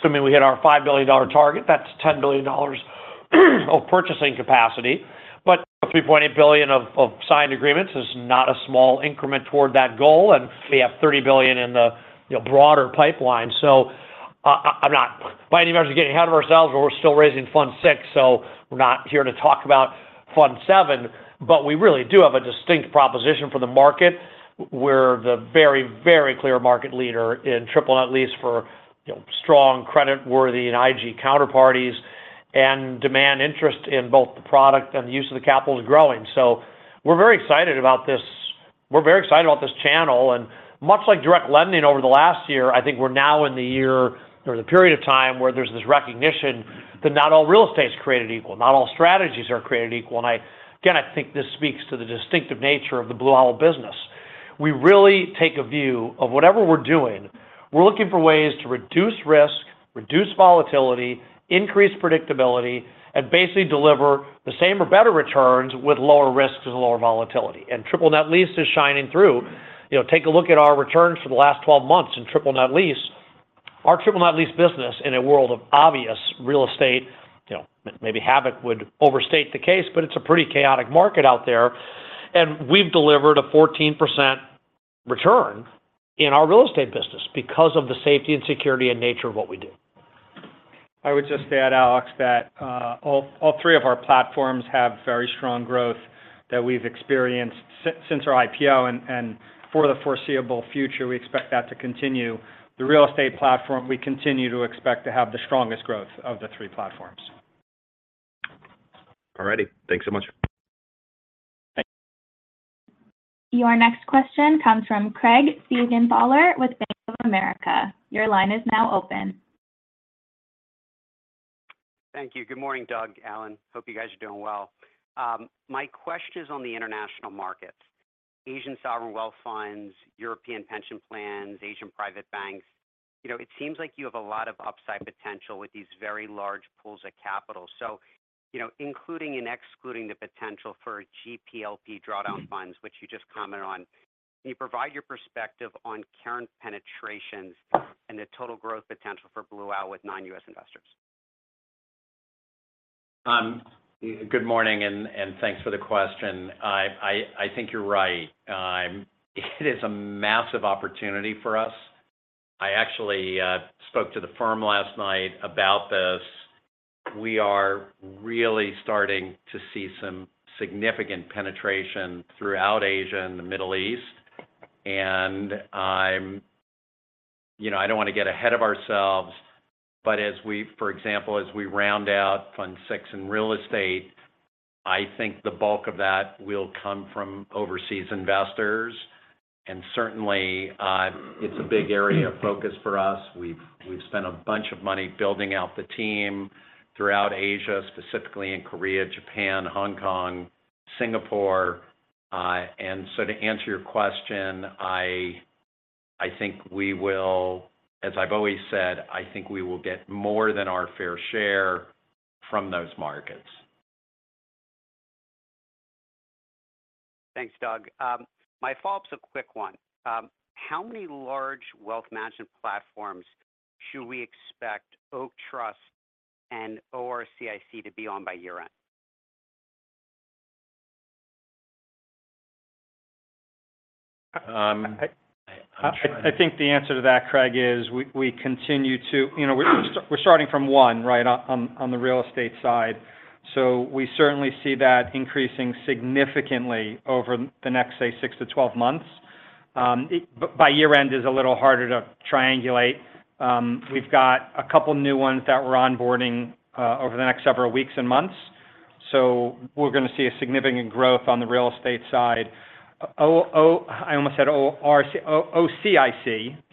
assuming we hit our $5 billion target, that's $10 billion of purchasing capacity. $3.8 billion of, of signed agreements is not a small increment toward that goal, and we have $30 billion in the, you know, broader pipeline. I, I, I'm not by any means getting ahead of ourselves, but we're still raising Fund VI, so we're not here to talk about Fund VII. We really do have a distinct proposition for the market. We're the very, very clear market leader in Triple Net Lease for, you know, strong creditworthy and IG counterparties, and demand interest in both the product and the use of the capital is growing. We're very excited about this. We're very excited about this channel, and much like direct lending over the last year, I think we're now in the year or the period of time where there's this recognition that not all real estate is created equal, not all strategies are created equal. I, again, I think this speaks to the distinctive nature of the Blue Owl business. We really take a view of whatever we're doing, we're looking for ways to reduce risk, reduce volatility, increase predictability, and basically deliver the same or better returns with lower risk and lower volatility. Triple Net Lease is shining through. You know, take a look at our returns for the last 12 months in Triple Net Lease. Our Triple Net Lease business in a world of obvious real estate, you know, maybe havoc would overstate the case, but it's a pretty chaotic market out there, and we've delivered a 14% return in our real estate business because of the safety and security and nature of what we do. I would just add, Alex, that, all, all three of our platforms have very strong growth that we've experienced since our IPO and, and for the foreseeable future, we expect that to continue. The real estate platform, we continue to expect to have the strongest growth of the three platforms. All righty. Thanks so much. Your next question comes from Craig Siegenthaler with Bank of America. Your line is now open. Thank you. Good morning, Doug, Alan. Hope you guys are doing well. My question is on the international markets. Asian sovereign wealth funds, European pension plans, Asian private banks, you know, it seems like you have a lot of upside potential with these very large pools of capital. You know, including and excluding the potential for GPLP drawdown funds, which you just commented on, can you provide your perspective on current penetrations and the total growth potential for Blue Owl with non-U.S. investors? Good morning, and thanks for the question. I think you're right. It is a massive opportunity for us. I actually spoke to the firm last night about this. We are really starting to see some significant penetration throughout Asia and the Middle East. You know, I don't wanna get ahead of ourselves, but as we, for example, as we round out Fund VI in real estate, I think the bulk of that will come from overseas investors. Certainly, it's a big area of focus for us. We've spent a bunch of money building out the team throughout Asia, specifically in Korea, Japan, Hong Kong, Singapore. To answer your question, I think we will, as I've always said, I think we will get more than our fair share from those markets. Thanks, Doug. My follow-up's a quick one. How many large wealth management platforms should we expect Oak Trust and ORCIC to be on by year-end? I think the answer to that, Craig, is we continue to, we're starting from one, right, on the real estate side. We certainly see that increasing significantly over the next, say, 6-12 months. By year-end is a little harder to triangulate. We've got a couple new ones that we're onboarding over the next several weeks and months. We're gonna see a significant growth on the real estate side. OCIC,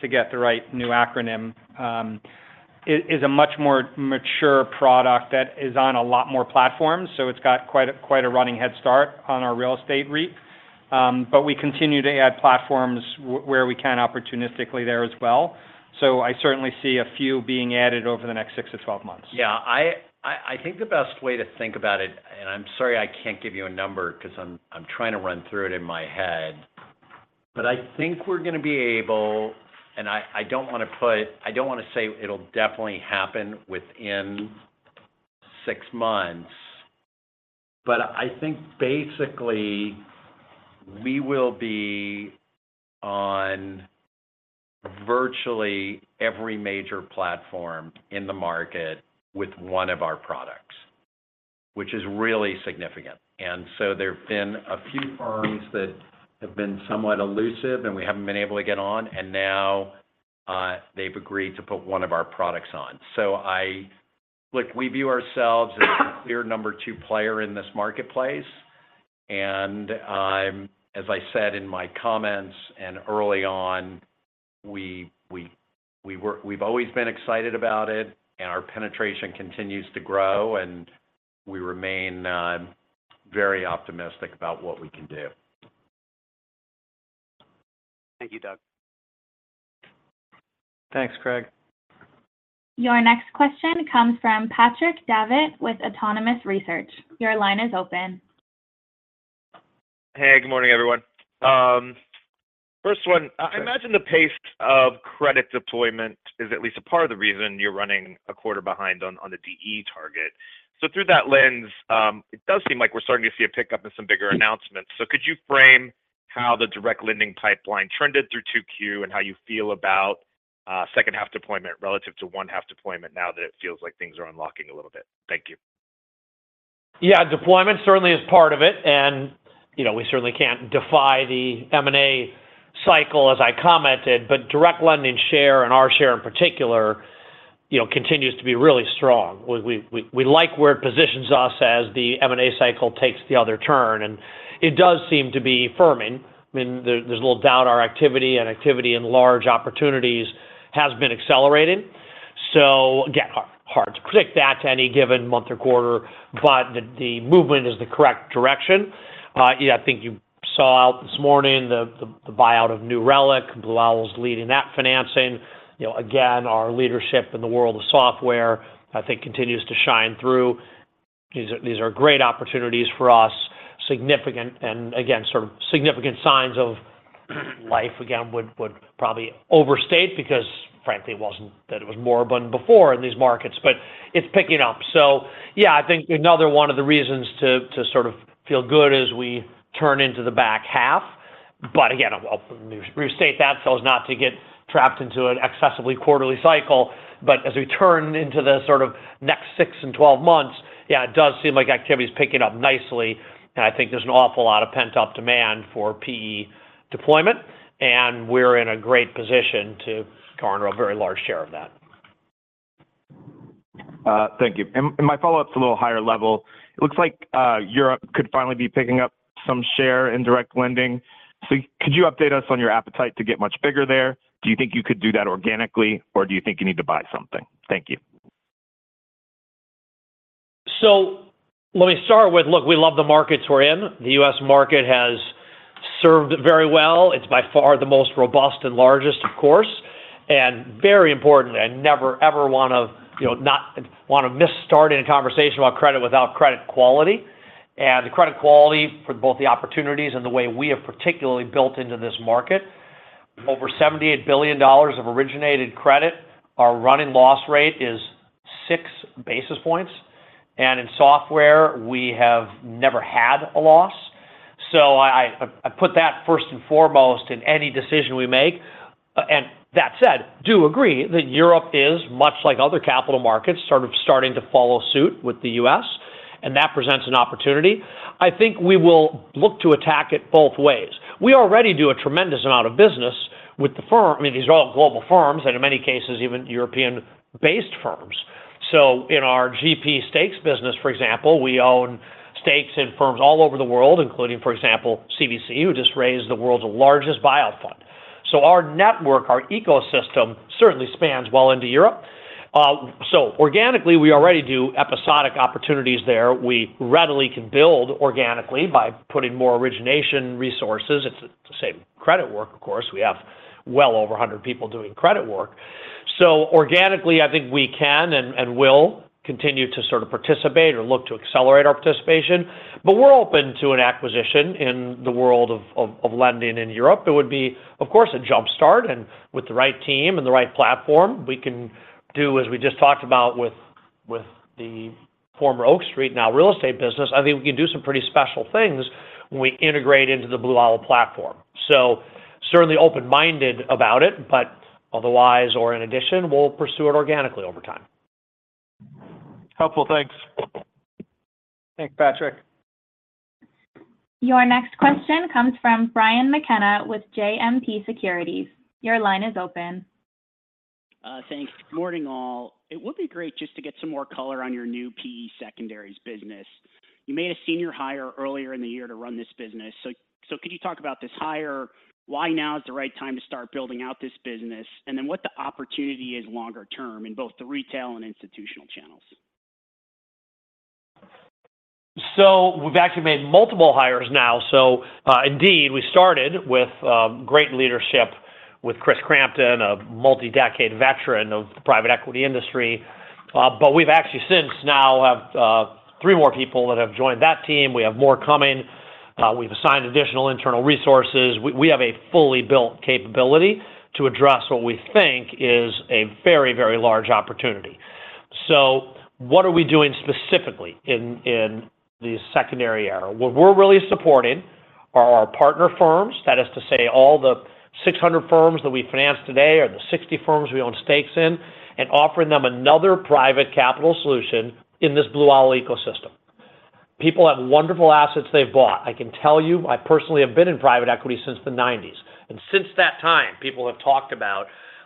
to get the right new acronym, is a much more mature product that is on a lot more platforms, so it's got quite a, quite a running head start on our real estate REIT. We continue to add platforms where we can opportunistically there as well. I certainly see a few being added over the next 6-12 months. Yeah, I think the best way to think about it, and I'm sorry I can't give you a number because I'm trying to run through it in my head. I think we're gonna be able, and I don't wanna say it'll definitely happen within six months, I think basically, we will be on virtually every major platform in the market with one of our products, which is really significant. There have been a few firms that have been somewhat elusive, and we haven't been able to get on, and now, they've agreed to put one of our products on. Look, we view ourselves as the clear number two player in this marketplace. As I said in my comments, and early on, we've always been excited about it, and our penetration continues to grow, and we remain very optimistic about what we can do. Thank you, Doug. Thanks, Craig. Your next question comes from Patrick Davitt with Autonomous Research. Your line is open. Hey, good morning, everyone. first one, I imagine the pace of credit deployment is at least a part of the reason you're running a quarter behind on, on the DE target. Through that lens, it does seem like we're starting to see a pickup in some bigger announcements. Could you frame how the direct lending pipeline trended through 2Q and how you feel about second half deployment relative to one half deployment now that it feels like things are unlocking a little bit? Thank you. Yeah, deployment certainly is part of it. You know, we certainly can't defy the M&A cycle, as I commented, but direct lending share and our share in particular, you know, continues to be really strong. We like where it positions us as the M&A cycle takes the other turn, and it does seem to be firming. I mean, there's little doubt our activity and activity in large opportunities has been accelerating. Again, hard to predict that to any given month or quarter, but the movement is the correct direction. Yeah, I think you saw out this morning, the buyout of New Relic, Blue Owl is leading that financing. You know, again, our leadership in the world of software, I think, continues to shine through. These are, these are great opportunities for us, significant and again, sort of significant signs of life, again, would, would probably overstate, because frankly, it wasn't that it was more than before in these markets, but it's picking up. Yeah, I think another one of the reasons to, to sort of feel good as we turn into the back half, but again, I'll restate that so as not to get trapped into an excessively quarterly cycle. As we turn into the sort of next six and 12 months, yeah, it does seem like activity is picking up nicely, and I think there's an awful lot of pent-up demand for PE deployment, and we're in a great position to garner a very large share of that. Thank you. My follow-up is a little higher level. It looks like Europe could finally be picking up some share in direct lending. Could you update us on your appetite to get much bigger there? Do you think you could do that organically, or do you think you need to buy something? Thank you. Let me start with, look, we love the markets we're in. The U.S. market has served very well. It's by far the most robust and largest, of course, and very important. I never, ever wanna, you know, wanna misstart any conversation about credit without credit quality. The credit quality for both the opportunities and the way we have particularly built into this market, over $78 billion of originated credit, our running loss rate is 6 basis points. In software, we have never had a loss. I, I, I put that first and foremost in any decision we make. That said, do agree that Europe is, much like other capital markets, sort of starting to follow suit with the U.S., and that presents an opportunity. I think we will look to attack it both ways. We already do a tremendous amount of business with the firm. I mean, these are all global firms, and in many cases, even European-based firms. In our GP Stakes business, for example, we own stakes in firms all over the world, including, for example, CVC, who just raised the world's largest buyout fund. Our network, our ecosystem, certainly spans well into Europe. Organically, we already do episodic opportunities there. We readily can build organically by putting more origination resources. It's the same credit work, of course. We have well over 100 people doing credit work. Organically, I think we can and, and will continue to sort of participate or look to accelerate our participation, but we're open to an acquisition in the world of, of, of lending in Europe. It would be, of course, a jump start. With the right team and the right platform, we can do as we just talked about with, with the former Oak Street, now real estate business. I think we can do some pretty special things when we integrate into the Blue Owl platform. Certainly open-minded about it, but otherwise or in addition, we'll pursue it organically over time. helpful. Thanks. Thanks, Patrick. Your next question comes from Brian McKenna with JMP Securities. Your line is open. Thanks. Good morning, all. It would be great just to get some more color on your new PE Secondaries business. You made a senior hire earlier in the year to run this business, so could you talk about this hire, why now is the right time to start building out this business, and then what the opportunity is longer term in both the retail and institutional channels? We've actually made multiple hires now. Indeed, we started with great leadership with Chris Crampton, a multi-decade veteran of the private equity industry. But we've actually since now have three more people that have joined that team. We have more coming. We've assigned additional internal resources. We, we have a fully built capability to address what we think is a very, very large opportunity. What are we doing specifically in, in the secondary era? What we're really supporting are our partner firms. That is to say, all the 600 firms that we finance today, or the 60 firms we own stakes in, and offering them another private capital solution in this Blue Owl ecosystem. People have wonderful assets they've bought. I can tell you, I personally have been in private equity since the 1990s. Since that time, people have talked about.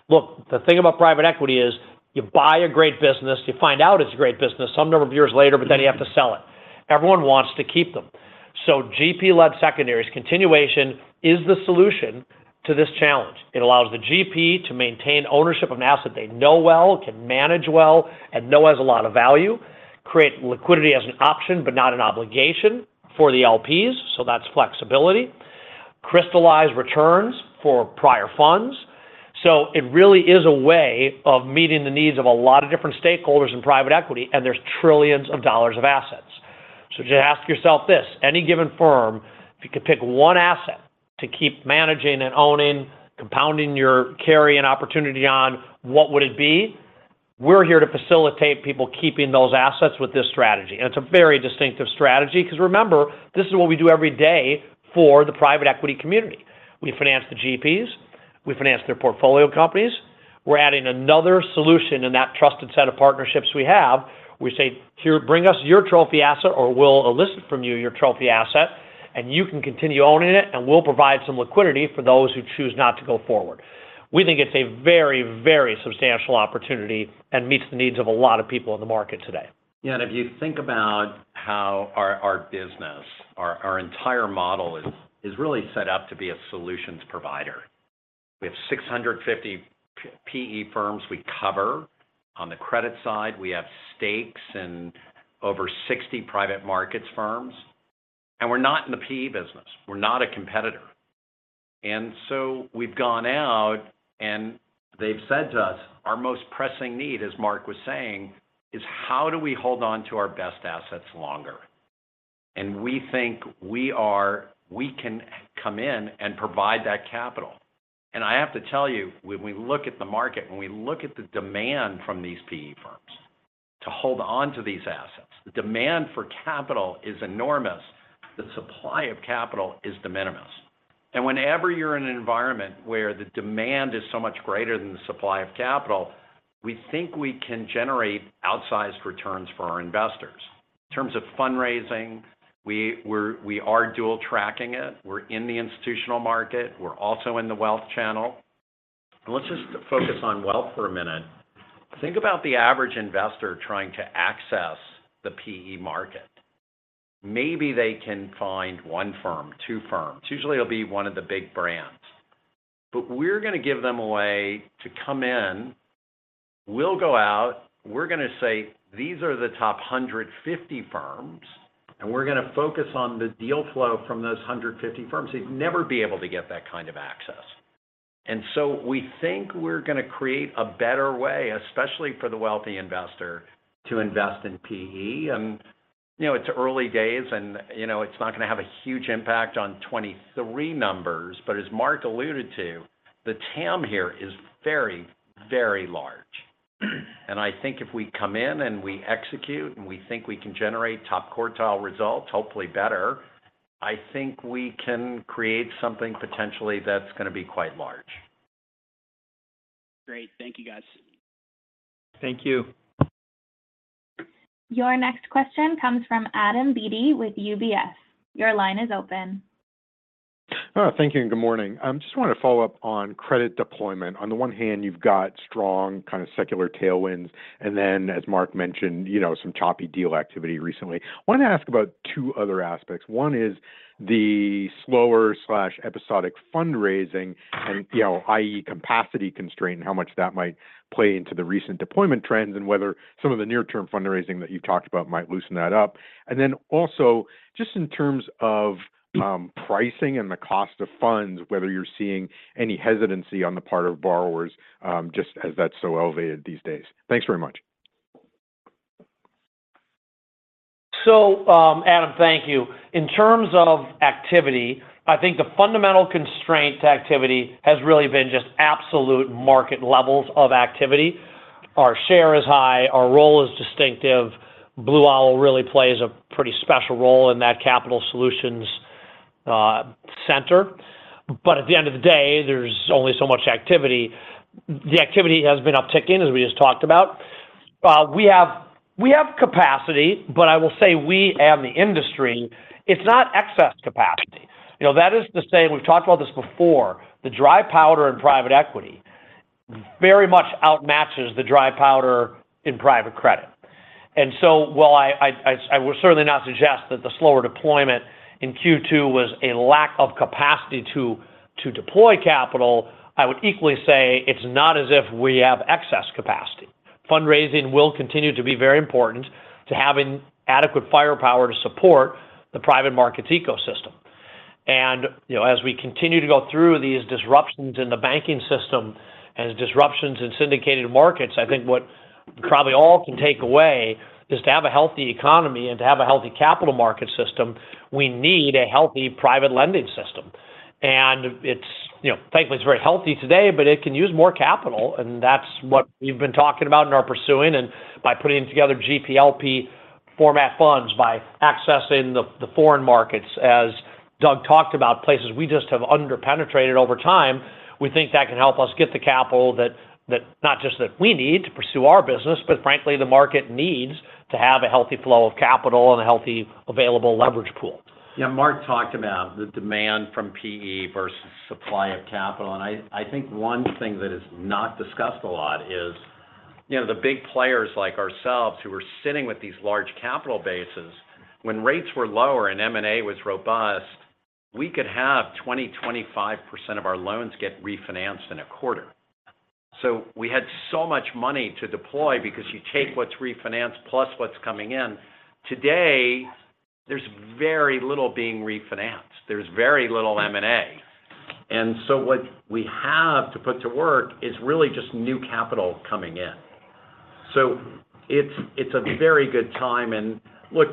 Look, the thing about private equity is, you buy a great business, you find out it's a great business some number of years later, but then you have to sell it. Everyone wants to keep them. GP-led secondaries continuation is the solution to this challenge. It allows the GP to maintain ownership of an asset they know well, can manage well, and know has a lot of value, create liquidity as an option, but not an obligation for the LPs, so that's flexibility, crystallize returns for prior funds. It really is a way of meeting the needs of a lot of different stakeholders in private equity. There's trillions of dollars of assets. Just ask yourself this, any given firm, if you could pick one asset to keep managing and owning, compounding your carry and opportunity on, what would it be? We're here to facilitate people keeping those assets with this strategy, and it's a very distinctive strategy, 'cause remember, this is what we do every day for the private equity community. We finance the GPs, we finance their portfolio companies. We're adding another solution in that trusted set of partnerships we have. We say, "Here, bring us your trophy asset, or we'll elicit from you your trophy asset, and you can continue owning it, and we'll provide some liquidity for those who choose not to go forward." We think it's a very, very substantial opportunity and meets the needs of a lot of people in the market today. Yeah, if you think about how our business, our entire model is really set up to be a solutions provider. We have 650 PE firms we cover. On the credit side, we have stakes in over 60 private markets firms, and we're not in the PE business. We're not a competitor. So we've gone out, and they've said to us, "Our most pressing need," as Marc was saying, "is how do we hold on to our best assets longer?" We think we can come in and provide that capital. I have to tell you, when we look at the market, when we look at the demand from these PE firms to hold on to these assets, the demand for capital is enormous. The supply of capital is de minimis. Whenever you're in an environment where the demand is so much greater than the supply of capital, we think we can generate outsized returns for our investors. In terms of fundraising, we are dual tracking it. We're in the institutional market. We're also in the wealth channel. Let's just focus on wealth for a minute. Think about the average investor trying to access the PE market. Maybe they can find one firm, two firms. Usually, it'll be one of the big brands. We're gonna give them a way to come in. We'll go out, we're gonna say, "These are the top 150 firms, and we're gonna focus on the deal flow from those 150 firms." You'd never be able to get that kind of access. We think we're gonna create a better way, especially for the wealthy investor, to invest in PE. You know, it's early days, and, you know, it's not gonna have a huge impact on 2023 numbers, but as Marc alluded to, the TAM here is very, very large. I think if we come in and we execute, and we think we can generate top quartile results, hopefully better, I think we can create something potentially that's gonna be quite large. Great. Thank you, guys. Thank you. Your next question comes from Adam Beatty with UBS. Your line is open. Thank you, and good morning. I just want to follow up on credit deployment. On the one hand, you've got strong, kind of, secular tailwinds, and then, as Marc mentioned, you know, some choppy deal activity recently. Want to ask about two other aspects. One is the slower/episodic fundraising and, you know, i.e., capacity constraint, and how much that might play into the recent deployment trends, and whether some of the near-term fundraising that you've talked about might loosen that up. Then also, just in terms of pricing and the cost of funds, whether you're seeing any hesitancy on the part of borrowers, just as that's so elevated these days. Thanks very much. Adam, thank you. In terms of activity, I think the fundamental constraint to activity has really been just absolute market levels of activity. Our share is high, our role is distinctive. Blue Owl really plays a pretty special role in that capital solutions- center, but at the end of the day, there's only so much activity. The activity has been upticking, as we just talked about. We have, we have capacity, but I will say we and the industry, it's not excess capacity. You know, that is to say, we've talked about this before, the dry powder in private equity very much outmatches the dry powder in private credit. While I would certainly not suggest that the slower deployment in Q2 was a lack of capacity to deploy capital, I would equally say it's not as if we have excess capacity. Fundraising will continue to be very important to having adequate firepower to support the private markets ecosystem. You know, as we continue to go through these disruptions in the banking system and disruptions in syndicated markets, I think what probably all can take away is to have a healthy economy and to have a healthy capital market system, we need a healthy private lending system. You know, thankfully, it's very healthy today, but it can use more capital, and that's what we've been talking about and are pursuing, and by putting together GPLP format funds, by accessing the, the foreign markets, as Doug talked about, places we just have underpenetrated over time, we think that can help us get the capital that, that not just that we need to pursue our business, but frankly, the market needs to have a healthy flow of capital and a healthy available leverage pool. Yeah, Marc talked about the demand from PE versus supply of capital. I, I think one thing that is not discussed a lot is, you know, the big players like ourselves, who are sitting with these large capital bases, when rates were lower and M&A was robust, we could have 20%-25% of our loans get refinanced in a quarter. We had so much money to deploy because you take what's refinanced plus what's coming in. Today, there's very little being refinanced. There's very little M&A. What we have to put to work is really just new capital coming in. It's, it's a very good time. Look,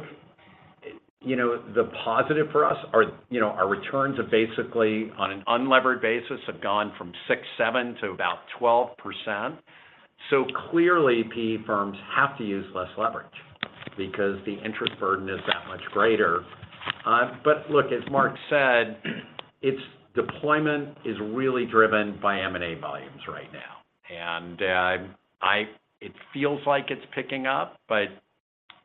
you know, the positive for us are, you know, our returns have basically, on an unlevered basis, have gone from 6%-7% to about 12%. Clearly, PE firms have to use less leverage because the interest burden is that much greater. Look, as Marc said, its deployment is really driven by M&A volumes right now, and it feels like it's picking up, but,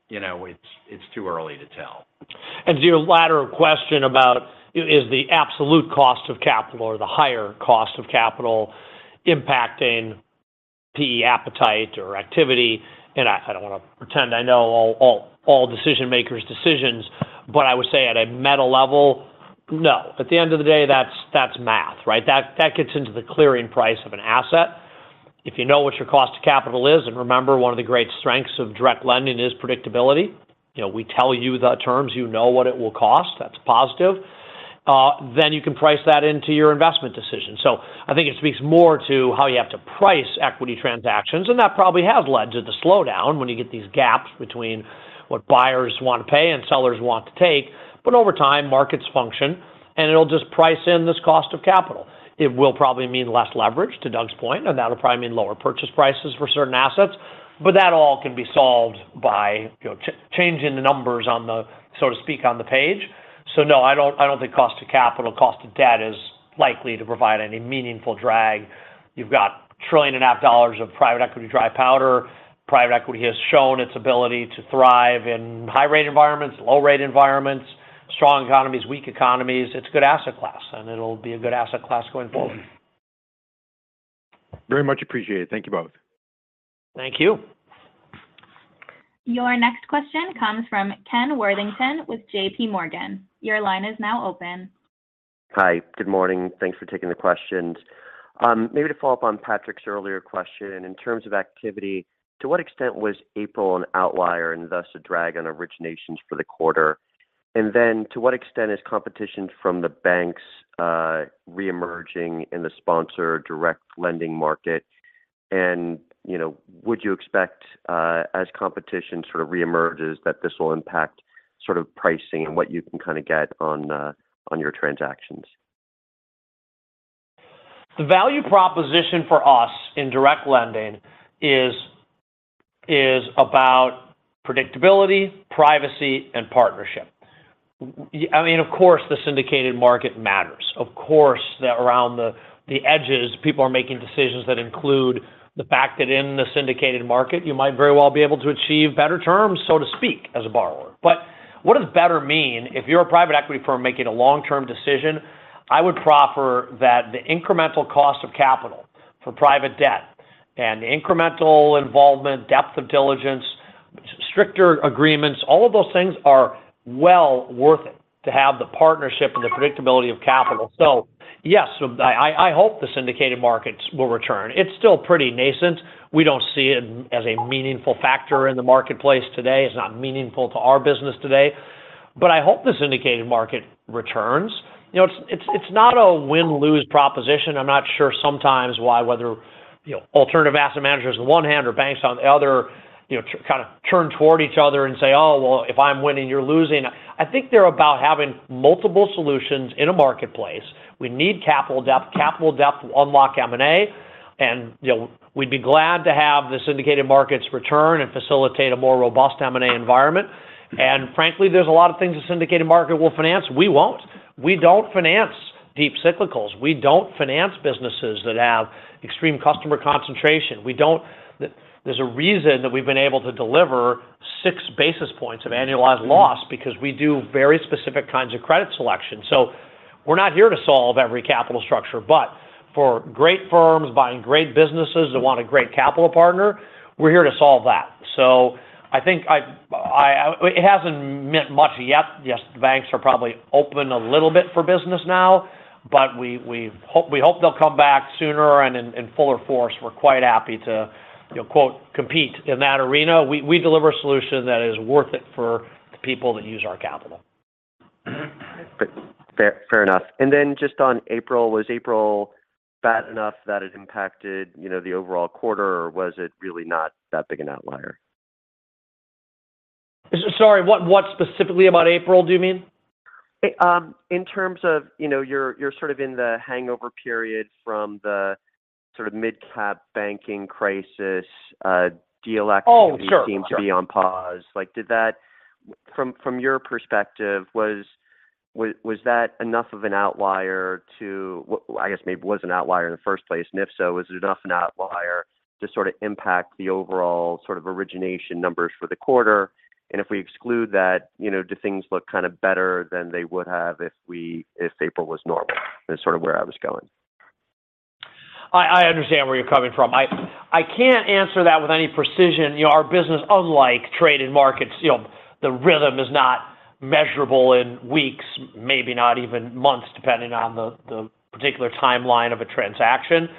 you know, it's, it's too early to tell. To your latter question about, is the absolute cost of capital or the higher cost of capital impacting PE appetite or activity, I don't want to pretend I know all, all, all decision makers' decisions, but I would say at a meta level, no. At the end of the day, that's, that's math, right? That, that gets into the clearing price of an asset. If you know what your cost of capital is, and remember, one of the great strengths of direct lending is predictability. You know, we tell you the terms, you know what it will cost, that's positive, then you can price that into your investment decision. I think it speaks more to how you have to price equity transactions, and that probably has led to the slowdown when you get these gaps between what buyers want to pay and sellers want to take. Over time, markets function, and it'll just price in this cost of capital. It will probably mean less leverage, to Doug's point, and that'll probably mean lower purchase prices for certain assets, but that all can be solved by, you know, changing the numbers on the, so to speak, on the page. No, I don't, I don't think cost of capital, cost of debt is likely to provide any meaningful drag. You've got $1.5 trillion of private equity dry powder. Private equity has shown its ability to thrive in high-rate environments, low-rate environments, strong economies, weak economies. It's a good asset class, and it'll be a good asset class going forward. Very much appreciated. Thank you both. Thank you. Your next question comes from Ken Worthington with JPMorgan. Your line is now open. Hi. Good morning. Thanks for taking the questions. Maybe to follow up on Patrick's earlier question, in terms of activity, to what extent was April an outlier and thus a drag on originations for the quarter? Then to what extent is competition from the banks, reemerging in the sponsor direct lending market? You know, would you expect, as competition sort of reemerges, that this will impact sort of pricing and what you can kind of get on your transactions? The value proposition for us in direct lending is about predictability, privacy, and partnership. I mean, of course, the syndicated market matters. Of course, that around the edges, people are making decisions that include the fact that in the syndicated market, you might very well be able to achieve better terms, so to speak, as a borrower. What does better mean if you're a private equity firm making a long-term decision? I would proffer that the incremental cost of capital for private debt and the incremental involvement, depth of diligence, stricter agreements, all of those things are well worth it to have the partnership and the predictability of capital. Yes, I hope the syndicated markets will return. It's still pretty nascent. We don't see it as a meaningful factor in the marketplace today. It's not meaningful to our business today. I hope the syndicated market returns. You know, it's, it's, it's not a win-lose proposition. I'm not sure sometimes why, whether, you know, alternative asset managers on the one hand or banks on the other, you know, kind of turn toward each other and say, "Oh, well, if I'm winning, you're losing." I think they're about having multiple solutions in a marketplace. We need capital depth. Capital depth will unlock M&A, and, you know, we'd be glad to have the syndicated markets return and facilitate a more robust M&A environment. Frankly, there's a lot of things a syndicated market will finance, we won't. We don't finance deep cyclicals. We don't finance businesses that have extreme customer concentration. We don't there's a reason that we've been able to deliver 6 basis points of annualized loss, because we do very specific kinds of credit selection. We're not here to solve every capital structure, but for great firms buying great businesses that want a great capital partner, we're here to solve that. I think I I, it hasn't meant much yet. Yes, the banks are probably open a little bit for business now, but we, we hope, we hope they'll come back sooner and in, in fuller force. We're quite happy to, you know, quote, "Compete" in that arena. We, we deliver a solution that is worth it for the people that use our capital. Fair, fair enough. Then just on April, was April bad enough that it impacted, you know, the overall quarter, or was it really not that big an outlier? Sorry, what, what specifically about April, do you mean? In terms of, you know, you're, you're sort of in the hangover period from the sort of mid-cap banking crisis seems to be on pause. From your perspective, was that enough of an outlier to, I guess, maybe it was an outlier in the first place, and if so, was it enough an outlier to sort of impact the overall sort of origination numbers for the quarter? If we exclude that, you know, do things look kind of better than they would have if April was normal? That's sort of where I was going. I, I understand where you're coming from. I, I can't answer that with any precision. You know, our business, unlike traded markets, you know, the rhythm is not measurable in weeks, maybe not even months, depending on the, the particular timeline of a transaction.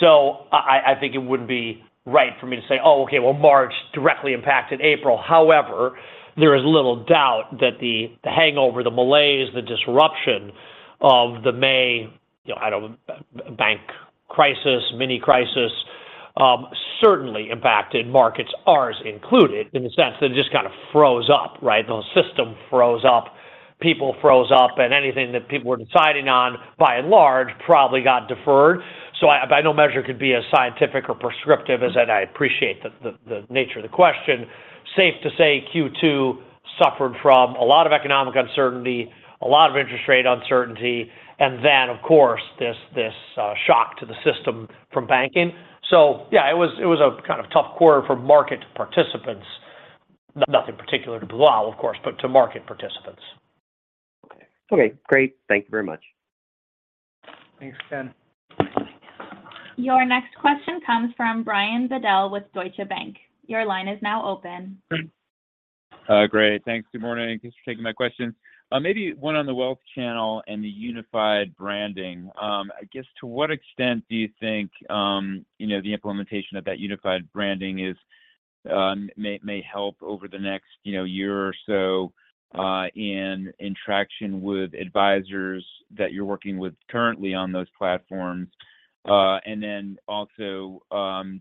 I, I, I think it wouldn't be right for me to say, "Oh, okay, well, March directly impacted April." However, there is little doubt that the hangover, the malaise, the disruption of the May, you know, I don't, bank crisis, mini-crisis, certainly impacted markets, ours included, in the sense that it just kind of froze up, right? The system froze up, people froze up, and anything that people were deciding on, by and large, probably got deferred. I, by no measure, it could be as scientific or prescriptive as that. I appreciate the, the, the nature of the question. Safe to say Q2 suffered from a lot of economic uncertainty, a lot of interest rate uncertainty, and then, of course, this, this, shock to the system from banking. Yeah, it was, it was a kind of tough quarter for market participants. Nothing particular to Blue Owl, of course, but to market participants. Okay. Okay, great. Thank you very much. Thanks, Ken. Your next question comes from Brian Bedell with Deutsche Bank. Your line is now open. Great. Thanks. Good morning. Thanks for taking my question. Maybe one on the wealth channel and the unified branding. I guess, to what extent do you think, you know, the implementation of that unified branding is, may, may help over the next, you know, year or so, in, in traction with advisors that you're working with currently on those platforms?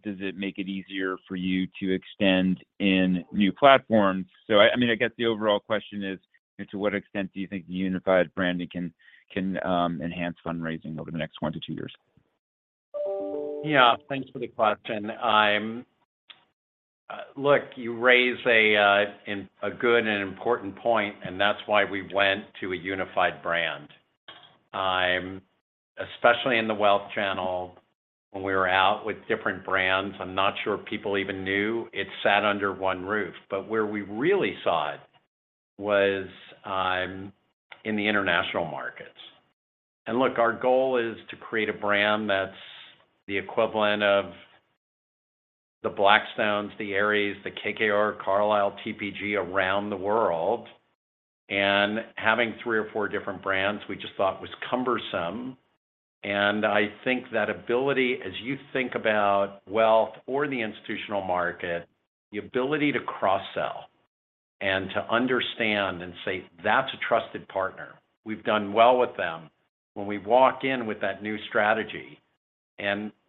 Does it make it easier for you to extend in new platforms? I guess the overall question is, to what extent do you think the unified branding can, can, enhance fundraising over the next one to two years? Yeah, thanks for the question. I'm, look, you raise a good and important point, and that's why we went to a unified brand. I'm, especially in the wealth channel, when we were out with different brands, I'm not sure people even knew it sat under one roof. Where we really saw it was in the international markets. Look, our goal is to create a brand that's the equivalent of the Blackstone, the Ares, the KKR, Carlyle, TPG around the world. Having three or four different brands, we just thought was cumbersome. I think that ability, as you think about wealth or the institutional market, the ability to cross-sell and to understand and say, "That's a trusted partner. We've done well with them." When we walk in with that new strategy,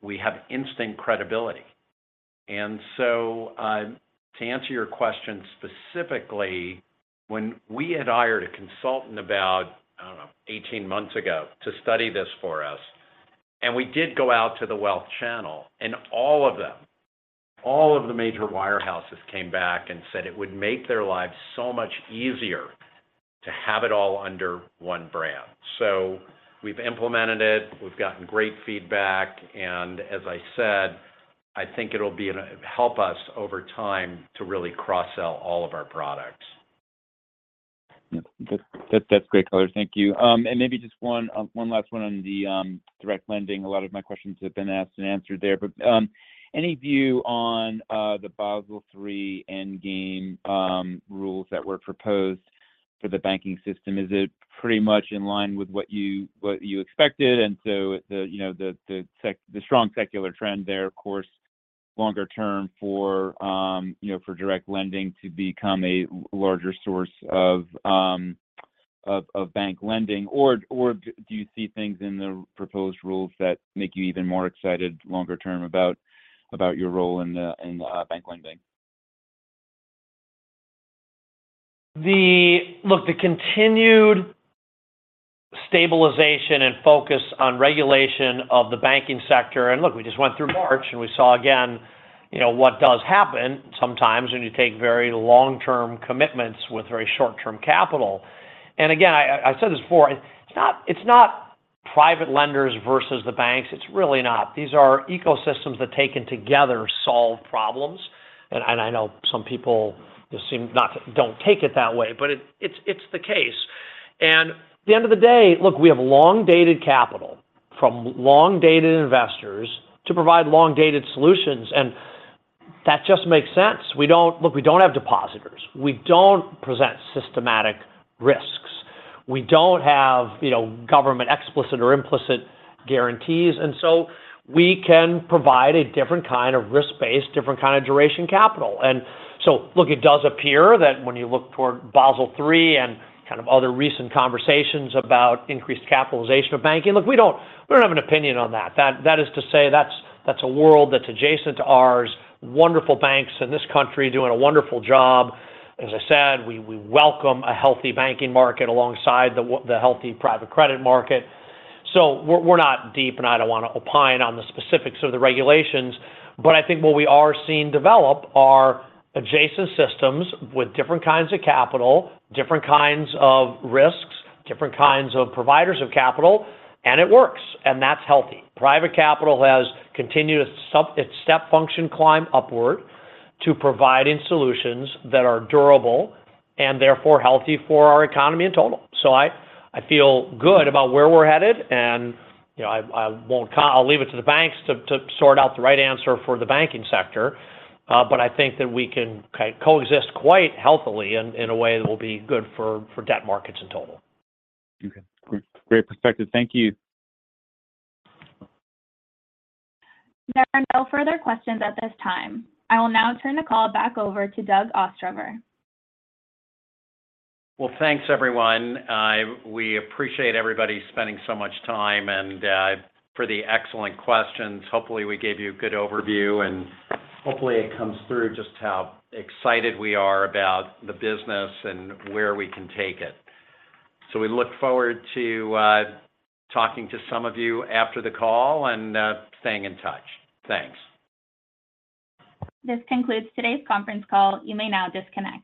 we have instant credibility. To answer your question specifically, when we had hired a consultant about, I don't know, 18 months ago to study this for us, we did go out to the wealth channel, all of them, all of the major wirehouses came back and said it would make their lives so much easier to have it all under one brand. We've implemented it, we've gotten great feedback, and as I said, I think it'll be help us over time to really cross-sell all of our products. Yep. That, that's great, Colin. Thank you. Maybe just one last one on the direct lending. A lot of my questions have been asked and answered there. Any view on the Basel III endgame rules that were proposed for the banking system? Is it pretty much in line with what you, what you expected? You know, the strong secular trend there, of course, longer term for, you know, for direct lending to become a larger source of, of, of bank lending. Do you see things in the proposed rules that make you even more excited longer term about, about your role in bank lending? The, look, the continued stabilization and focus on regulation of the banking sector, and look, we just went through March, and we saw again you know, what does happen sometimes when you take very long-term commitments with very short-term capital. Again, I've said this before, it's not, it's not private lenders versus the banks. It's really not. These are ecosystems that, taken together, solve problems. I know some people just seem not to, don't take it that way, it's the case. At the end of the day, look, we have long-dated capital from long-dated investors to provide long-dated solutions, and that just makes sense. Look, we don't have depositors. We don't present systematic risks. We don't have, you know, government explicit or implicit guarantees, so we can provide a different kind of risk-based, different kind of duration capital. Look, it does appear that when you look toward Basel III and kind of other recent conversations about increased capitalization of banking, look, we don't, we don't have an opinion on that. That, that is to say, that's, that's a world that's adjacent to ours. Wonderful banks in this country doing a wonderful job. As I said, we, we welcome a healthy banking market alongside the healthy private credit market. We're, we're not deep, and I don't wanna opine on the specifics of the regulations, but I think what we are seeing develop are adjacent systems with different kinds of capital, different kinds of risks, different kinds of providers of capital, and it works, and that's healthy. Private capital has continued its step function climb upward to providing solutions that are durable and therefore healthy for our economy in total. I, I feel good about where we're headed, and, you know, I, I won't, I'll leave it to the banks to, to sort out the right answer for the banking sector. I think that we can coexist quite healthily in, in a way that will be good for, for debt markets in total. Okay, great perspective. Thank you. There are no further questions at this time. I will now turn the call back over to Doug Ostrover. Well, thanks, everyone. We appreciate everybody spending so much time and for the excellent questions. Hopefully, we gave you a good overview, and hopefully, it comes through just how excited we are about the business and where we can take it. We look forward to talking to some of you after the call and staying in touch. Thanks. This concludes today's conference call. You may now disconnect.